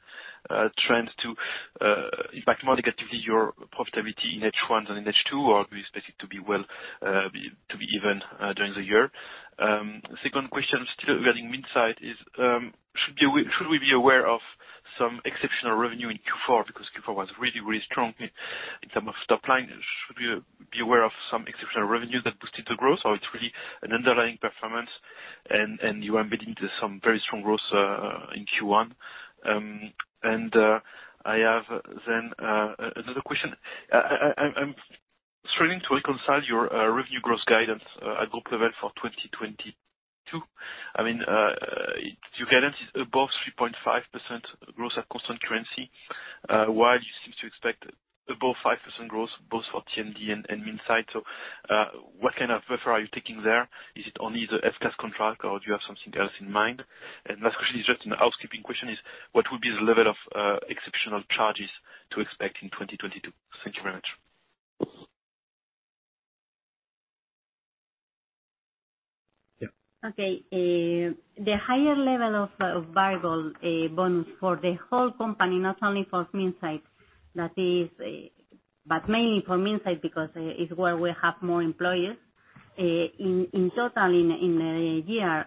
[SPEAKER 11] to impact more negatively your profitability in H1 than in H2? Do you expect it to be even during the year? Second question still regarding Minsait is, should we be aware of some exceptional revenue in Q4 because Q4 was really, really strong in terms of top line? Should we be aware of some exceptional revenue that boosted the growth, or it's really an underlying performance and you are building to some very strong growth in Q1? I have then another question. I'm struggling to reconcile your revenue growth guidance at group level for 2022. I mean, your guidance is above 3.5% growth at constant currency, while you seem to expect above 5% growth both for T&D and Minsait. What kind of approach are you taking there? Is it only the FCAS contract, or do you have something else in mind? Last question is just a housekeeping question, what would be the level of exceptional charges to expect in 2022? Thank you very much.
[SPEAKER 4] Yeah.
[SPEAKER 3] The higher level of variable bonus for the whole company, not only for Minsait, that is, but mainly for Minsait because it's where we have more employees. In total in the year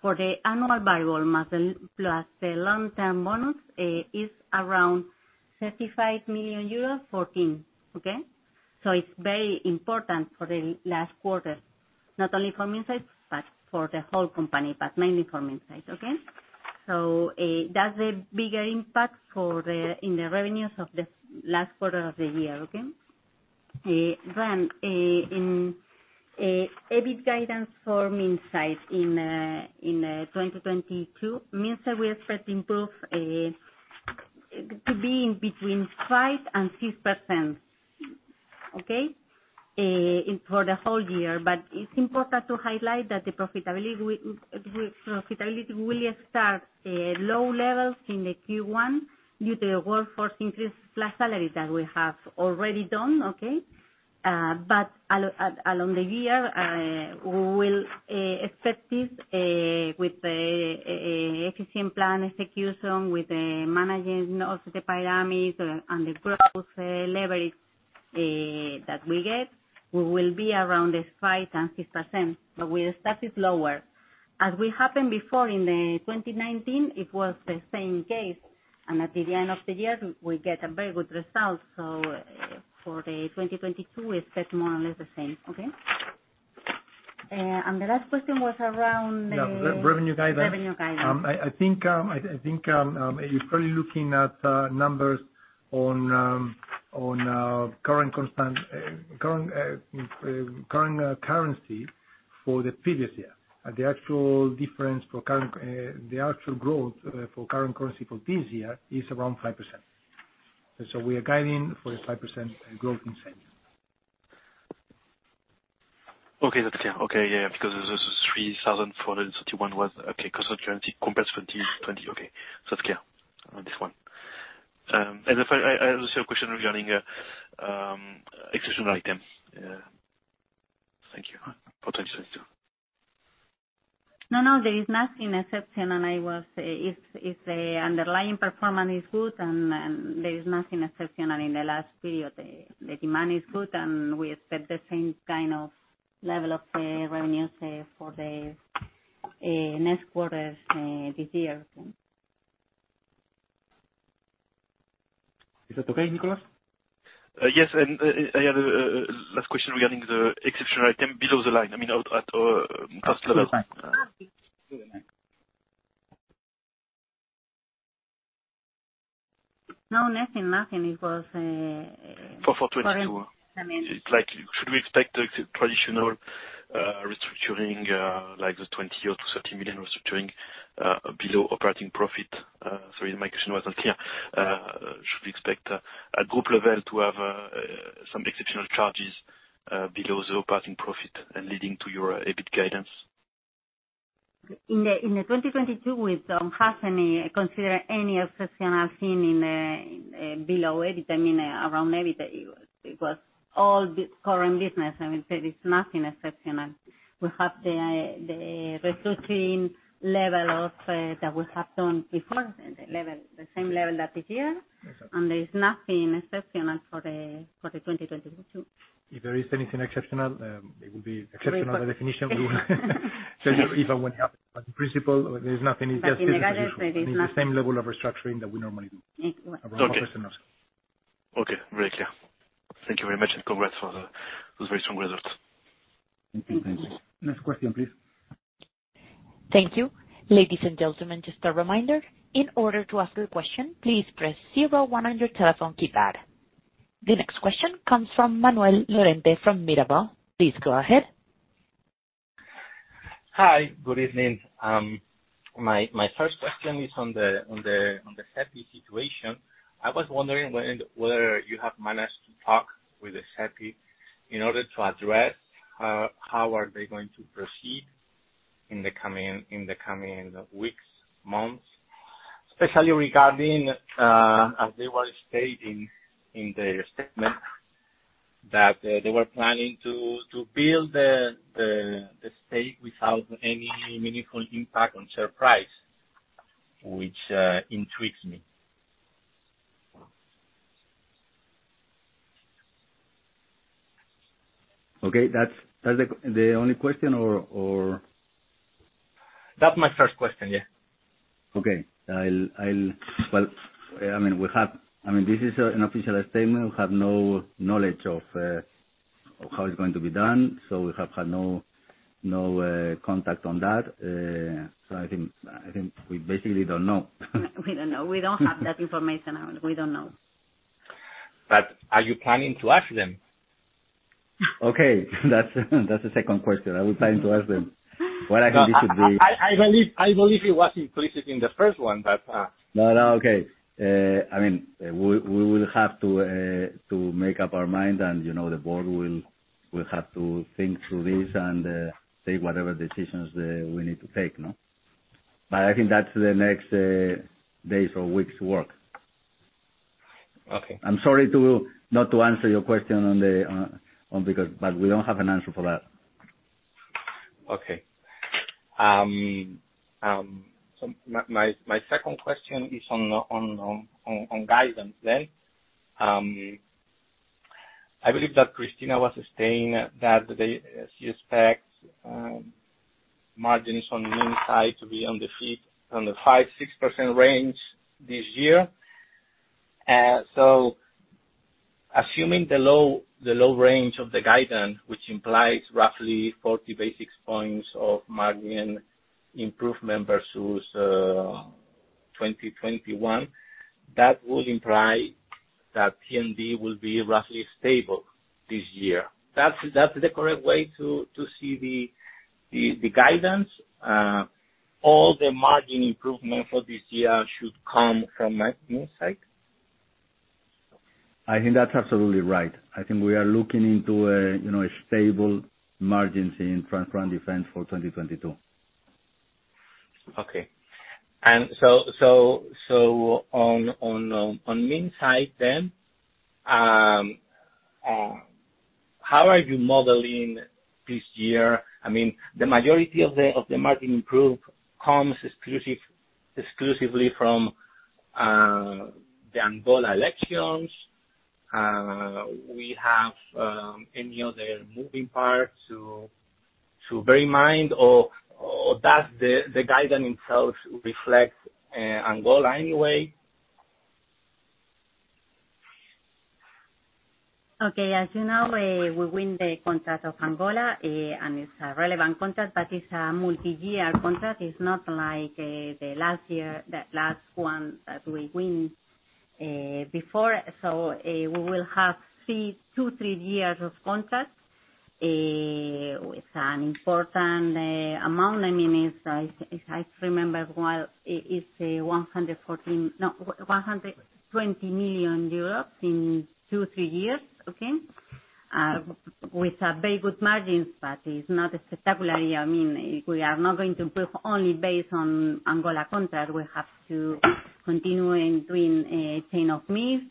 [SPEAKER 3] for the annual variable amount plus the long-term bonus is around 55.14 million euros. It's very important for the last quarter, not only for Minsait, but for the whole company, but mainly for Minsait. That's a bigger impact in the revenues of the last quarter of the year. In EBIT guidance for Minsait in 2022, Minsait we expect improve to be in between 5%-6%. In for the whole year. It's important to highlight that the profitability will start at low levels in the Q1 due to the workforce increase plus salary that we have already done. Okay. Along the year, we will expect this with efficient plan execution, with managing of the parameters and the growth leverage that we get, we will be around 5%-6%, but we expect it lower. As it happened before in 2019, it was the same case, and at the end of the year, we got a very good result. For 2022, we expect more or less the same. Okay. The last question was around the-
[SPEAKER 5] Yeah. Revenue guidance.
[SPEAKER 3] Revenue guidance.
[SPEAKER 5] I think you're probably looking at numbers on constant currency for the previous year. The actual growth for constant currency for this year is around 5%. We are guiding for a 5% growth in sales.
[SPEAKER 11] Okay, that's clear. Okay, yeah, because it was EUR 3.431 billion. Okay, constant currency compared to 2020. Okay, it's clear on this one. I also have a question regarding exceptional item. Thank you. Potentially, so.
[SPEAKER 3] No, no, there is nothing exceptional. If the underlying performance is good and there is nothing exceptional in the last period, the demand is good, and we expect the same kind of level of revenues for the next quarters this year.
[SPEAKER 4] Is that okay, Nicolas?
[SPEAKER 11] Yes, I have a last question regarding the exceptional item below the line. I mean, at first level.
[SPEAKER 4] Below the line.
[SPEAKER 3] No, nothing. It was
[SPEAKER 11] For 2022.
[SPEAKER 3] I mean.
[SPEAKER 11] It's like, should we expect the traditional restructuring, like the 20 million-30 million restructuring below operating profit? Sorry, my question wasn't clear. Should we expect at group level to have some exceptional charges below the operating profit and leading to your EBIT guidance?
[SPEAKER 3] In 2022, we don't consider any exceptional thing below EBIT. I mean, around EBIT, it was all current business. I will say there's nothing exceptional. We have the restructuring level that we have done before, the same level that is here.
[SPEAKER 11] Exactly.
[SPEAKER 3] There's nothing exceptional for the 2022.
[SPEAKER 4] If there is anything exceptional, it would be exceptional by definition. If and when it happens. As a principle, there's nothing, it's just business as usual.
[SPEAKER 3] In the guidance, there is nothing.
[SPEAKER 4] It's the same level of restructuring that we normally do.
[SPEAKER 3] Mm.
[SPEAKER 11] Okay.
[SPEAKER 4] Around 5%.
[SPEAKER 11] Okay. Very clear. Thank you very much, and congrats for the, those very strong results.
[SPEAKER 2] Thank you. Next question, please.
[SPEAKER 1] Thank you. Ladies and gentlemen, just a reminder. In order to ask your question, please press zero one on your telephone keypad. The next question comes from Manuel Lorente, from Mirabaud. Please go ahead.
[SPEAKER 12] Hi, good evening. My first question is on the SEPI situation. I was wondering whether you have managed to talk with the SEPI in order to address how are they going to proceed in the coming weeks, months, especially regarding, as they were stating in their statement, that they were planning to build the stake without any meaningful impact on share price, which intrigues me.
[SPEAKER 4] Okay. That's the only question or?
[SPEAKER 12] That's my first question, yeah.
[SPEAKER 4] Okay. Well, I mean, this is an official statement. We have no knowledge of how it's going to be done, so we have had no contact on that. I think we basically don't know.
[SPEAKER 3] We don't know. We don't have that information. We don't know.
[SPEAKER 12] Are you planning to ask them?
[SPEAKER 4] Okay. That's the second question. Are we planning to ask them? What I think it should be-
[SPEAKER 12] I believe it was implicit in the first one, but.
[SPEAKER 4] No, no, okay. I mean, we will have to make up our mind, and you know, the board will have to think through this and take whatever decisions we need to take, no? I think that's the next days or weeks work.
[SPEAKER 12] Okay.
[SPEAKER 4] I'm sorry not to answer your question because we don't have an answer for that.
[SPEAKER 12] My second question is on the guidance then. I believe that Cristina was stating that they, she expects, margins on Minsait to be on the 5%-6% range this year. Assuming the low range of the guidance, which implies roughly 40 basis points of margin improvement versus 2021, that would imply that T&D will be roughly stable this year. That's the correct way to see the guidance? All the margin improvement for this year should come from Minsait?
[SPEAKER 4] I think that's absolutely right. I think we are looking into, you know, stable margins in Transport and Defense for 2022.
[SPEAKER 12] On Minsait side then, how are you modeling this year? I mean, the majority of the margin improvement comes exclusively from the Angola elections. Do we have any other moving parts to bear in mind or does the guidance itself reflect Angola in any way?
[SPEAKER 3] Okay. As you know, we win the contract of Angola, and it's a relevant contract, but it's a multi-year contract. It's not like the last year, the last one that we win before. We will have two to three years of contract with an important amount. I mean, it's if I remember well, it is 120 million euros in two to three years. Okay? With very good margins, but it's not spectacular. I mean, we are not going to improve only based on Angola contract. We have to continue in doing change of mix,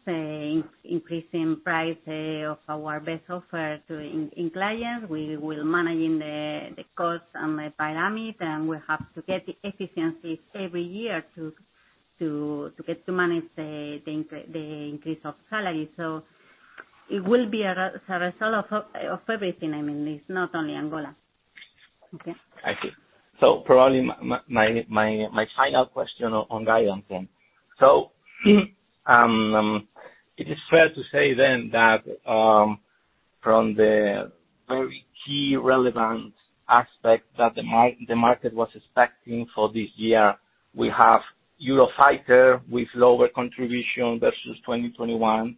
[SPEAKER 3] increasing price of our best offer to clients. We will managing the costs and the pyramid, and we have to get the efficiencies every year to get to manage the increase of salary. It will be a result of everything. I mean, it's not only Angola. Okay.
[SPEAKER 12] I see. Probably my final question on guidance then. It is fair to say then that from the very key relevant aspect that the market was expecting for this year, we have Eurofighter with lower contribution versus 2021.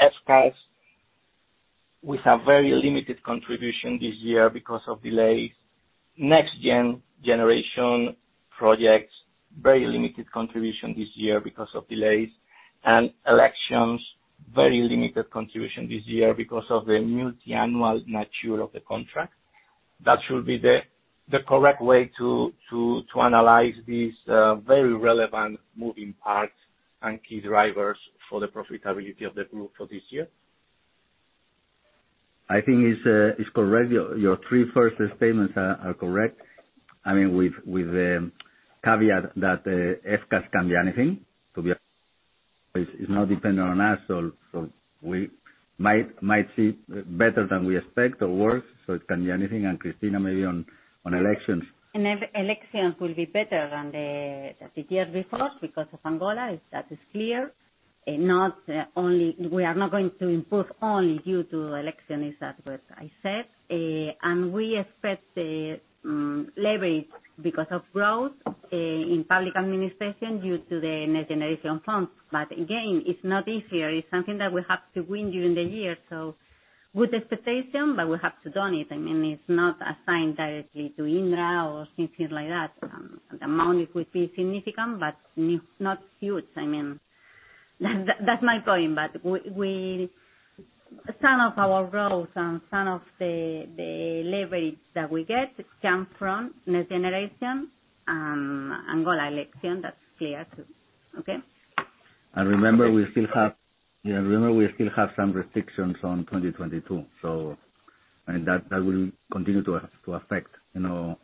[SPEAKER 12] FCAS with a very limited contribution this year because of delays. Next-gen generation projects, very limited contribution this year because of delays. Elections, very limited contribution this year because of the multi-annual nature of the contract. That should be the correct way to analyze these very relevant moving parts and key drivers for the profitability of the group for this year?
[SPEAKER 4] I think it's correct. Your three first statements are correct. I mean, with caveat that FCAS can be anything. It's not dependent on us. We might see better than we expect or worse, so it can be anything. Cristina, maybe on elections.
[SPEAKER 3] Allocations will be better than the year before because of annual. That is clear. Not only. We are not going to improve only due to allocations, as I said. We expect the leverage because of growth in public administration due to the next generation funds. Again, it's not easy. It's something that we have to win during the year. Good expectation, but we have to do it. I mean, it's not assigned directly to Indra or something like that. The amount would be significant, but not huge. I mean, that's my point. Some of our growth and some of the leverage that we get comes from next generation annual allocation. That's clear, too. Okay?
[SPEAKER 4] Remember, we still have some restrictions on 2022. I mean, that will continue to affect, you know,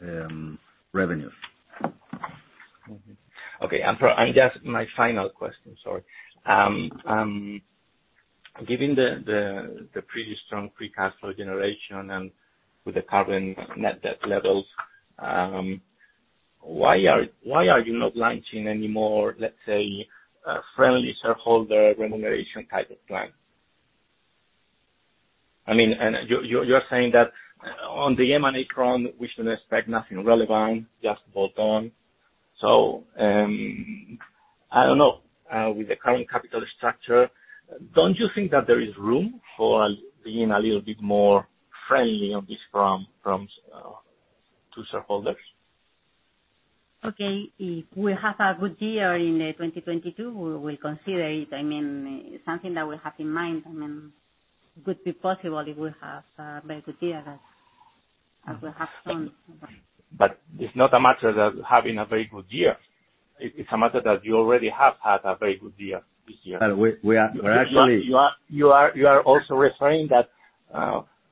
[SPEAKER 4] revenues.
[SPEAKER 12] Just my final question, sorry. Given the pretty strong free cash flow generation and with the current net debt levels, why are you not launching any more, let's say, friendly shareholder remuneration type of plan? I mean, and you're saying that on the M&A front, we should expect nothing relevant, just bolt-on. I don't know. With the current capital structure, don't you think that there is room for being a little bit more friendly on this front from to shareholders?
[SPEAKER 3] Okay. If we have a good year in 2022, we will consider it. I mean, something that we have in mind. I mean, it could be possible if we have a very good year, as we have seen.
[SPEAKER 12] It's not a matter of having a very good year. It's a matter that you already have had a very good year this year.
[SPEAKER 4] We're actually-
[SPEAKER 12] You are also referring that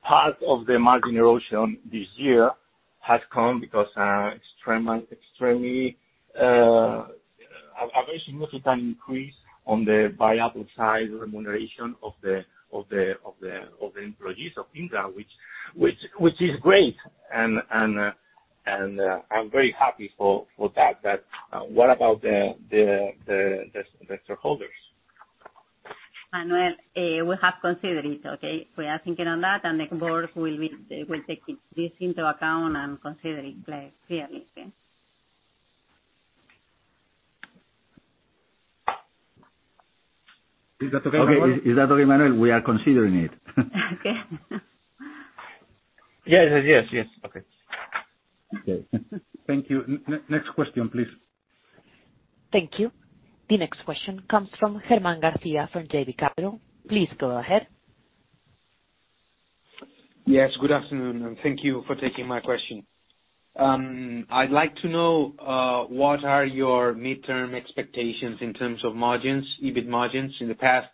[SPEAKER 12] part of the margin erosion this year has come because a very significant increase on the variable side remuneration of the employees of Indra, which is great, and I'm very happy for that. What about the shareholders?
[SPEAKER 3] Manuel, we have considered it, okay? We are thinking on that, and the board will take it, this into account and consider it very clearly. Okay?
[SPEAKER 12] Okay.
[SPEAKER 4] Is that okay, Manuel? We are considering it.
[SPEAKER 3] Okay.
[SPEAKER 12] Yes, okay.
[SPEAKER 4] Okay.
[SPEAKER 2] Thank you. Next question, please.
[SPEAKER 1] Thank you. The next question comes from Germán García from JB Capital. Please go ahead.
[SPEAKER 13] Yes. Good afternoon, and thank you for taking my question. I'd like to know what your midterm expectations are in terms of margins, EBIT margins. In the past,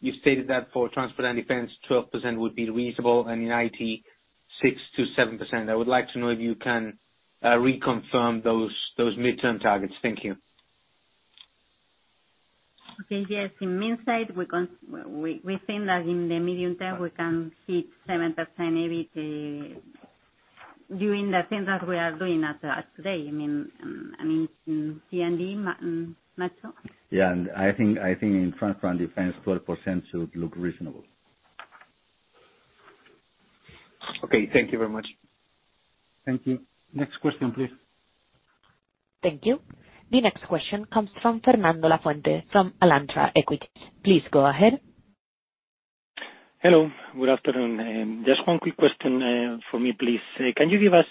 [SPEAKER 13] you stated that for Transport and Defense, 12% would be reasonable, and in IT, 6%-7%. I would like to know if you can reconfirm those midterm targets. Thank you.
[SPEAKER 3] Okay. Yes. In Minsait, we think that in the medium term, we can hit 7% EBIT doing the things that we are doing today. I mean, in T&D, Ignacio?
[SPEAKER 4] I think in Transport and Defense, 12% should look reasonable.
[SPEAKER 13] Okay. Thank you very much.
[SPEAKER 2] Thank you. Next question, please.
[SPEAKER 1] Thank you. The next question comes from Fernando Lafuente from Alantra Equities. Please go ahead.
[SPEAKER 14] Hello. Good afternoon. Just one quick question from me, please. Can you give us?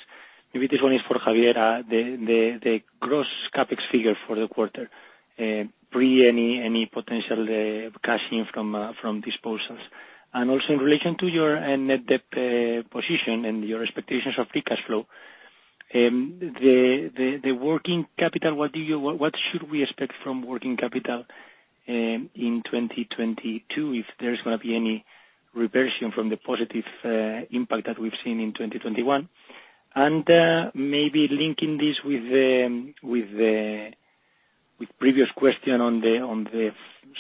[SPEAKER 14] Maybe this one is for Javier. The gross CapEx figure for the quarter pre any potential cash in from disposals. Also in relation to your net debt position and your expectations of free cash flow, the working capital, what should we expect from working capital in 2022, if there's gonna be any reversion from the positive impact that we've seen in 2021? Maybe linking this with the previous question on the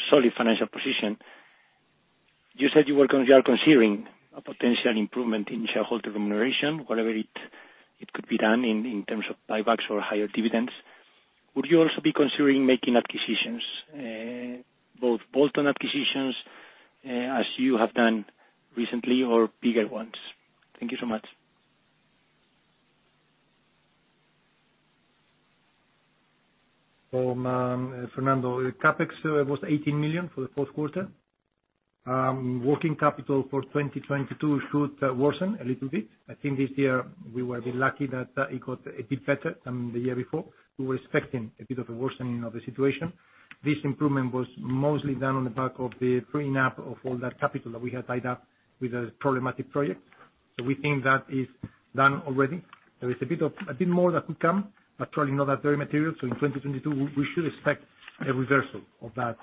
[SPEAKER 14] solid financial position, you said you were considering a potential improvement in shareholder remuneration, whatever it could be done in terms of buybacks or higher dividends. Would you also be considering making acquisitions, both bolt-on acquisitions, as you have done recently or bigger ones? Thank you so much.
[SPEAKER 5] Fernando, the CapEx was 18 million for the fourth quarter. Working capital for 2022 should worsen a little bit. I think this year we were a bit lucky that it got a bit better than the year before. We were expecting a bit of a worsening of the situation. This improvement was mostly done on the back of the freeing up of all that capital that we had tied up with a problematic project. We think that is done already. There is a bit more that could come, but probably not that very material. In 2022, we should expect a reversal of that,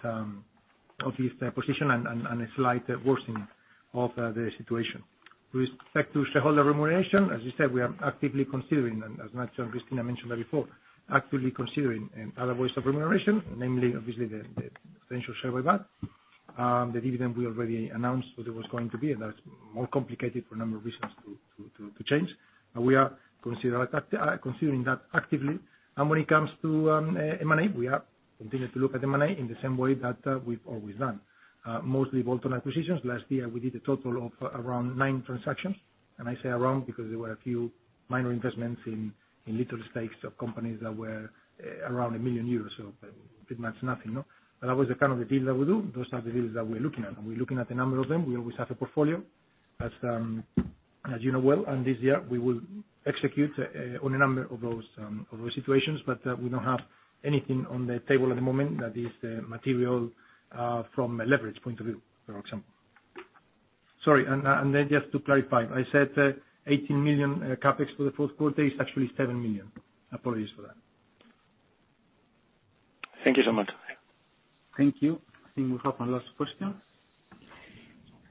[SPEAKER 5] of this position and a slight worsening of the situation. With respect to shareholder remuneration, as you said, we are actively considering, and as Ignacio and Cristina mentioned that before, actively considering other ways of remuneration, namely obviously the potential share buyback. The dividend we already announced what it was going to be, and that's more complicated for a number of reasons to change. We are considering that actively. When it comes to M&A, we are continuing to look at M&A in the same way that we've always done. Mostly bolt-on acquisitions. Last year, we did a total of around nine transactions, and I say around because there were a few minor investments in little stakes of companies that were around 1 million euros. So pretty much nothing, no? That was the kind of deals that we do. Those are the deals that we're looking at, and we're looking at a number of them. We always have a portfolio, as you know well, and this year we will execute on a number of those situations. We don't have anything on the table at the moment that is material from a leverage point of view, for example. Sorry, and then just to clarify, I said 18 million CapEx for the fourth quarter. It's actually 7 million. Apologies for that.
[SPEAKER 14] Thank you so much.
[SPEAKER 2] Thank you. I think we have one last question.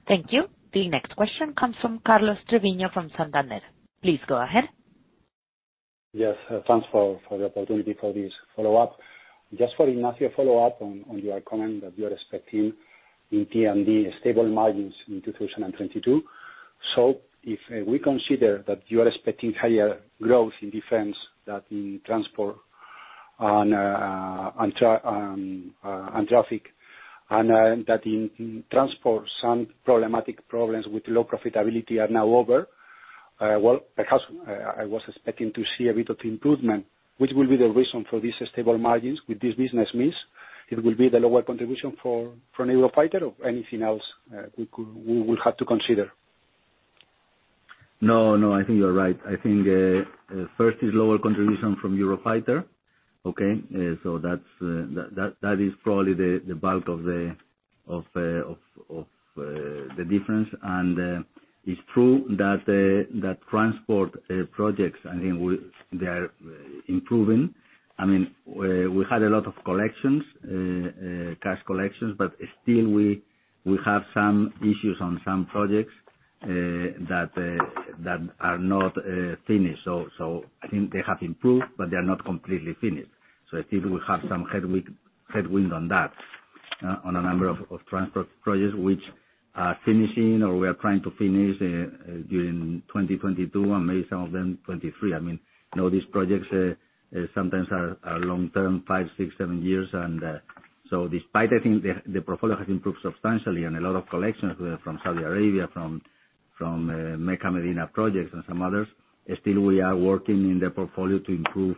[SPEAKER 1] Thank you. The next question comes from Carlos Treviño from Santander. Please go ahead.
[SPEAKER 9] Yes. Thanks for the opportunity for this follow-up. Just for Ignacio, a follow-up on your comment that you are expecting in T&D stable margins in 2022. If we consider that you are expecting higher growth in defense than in transport on traffic, and that in transport, some problems with low profitability are now over, well, perhaps I was expecting to see a bit of improvement. Which will be the reason for this stable margins with this business mix? It will be the lower contribution for Eurofighter or anything else we would have to consider?
[SPEAKER 4] No, no, I think you're right. I think first is lower contribution from Eurofighter. Okay? So that is probably the bulk of the difference. It's true that transport projects, I think, they are improving. I mean, we had a lot of collections, cash collections, but still we have some issues on some projects that are not finished. So I think they have improved, but they are not completely finished. So I think we have some headwind on that, on a number of transport projects which are finishing or we are trying to finish during 2022 and maybe some of them 2023. I mean, you know, these projects sometimes are long-term, five, six, seven years. Despite I think the portfolio has improved substantially and a lot of collections from Saudi Arabia, from Mecca-Medina projects and some others, still we are working in the portfolio to improve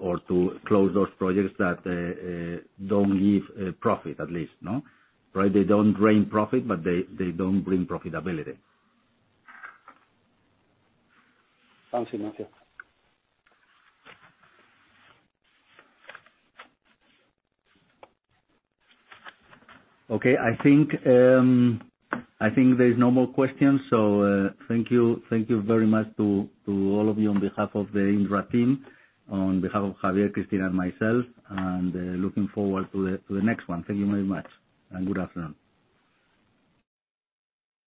[SPEAKER 4] or to close those projects that don't give profit at least, no? Right. They don't drain profit, but they don't bring profitability.
[SPEAKER 9] Thanks, Ignacio.
[SPEAKER 4] Okay. I think there are no more questions, so thank you very much to all of you on behalf of the Indra team, on behalf of Javier, Cristina, and myself, and looking forward to the next one. Thank you very much, and good afternoon.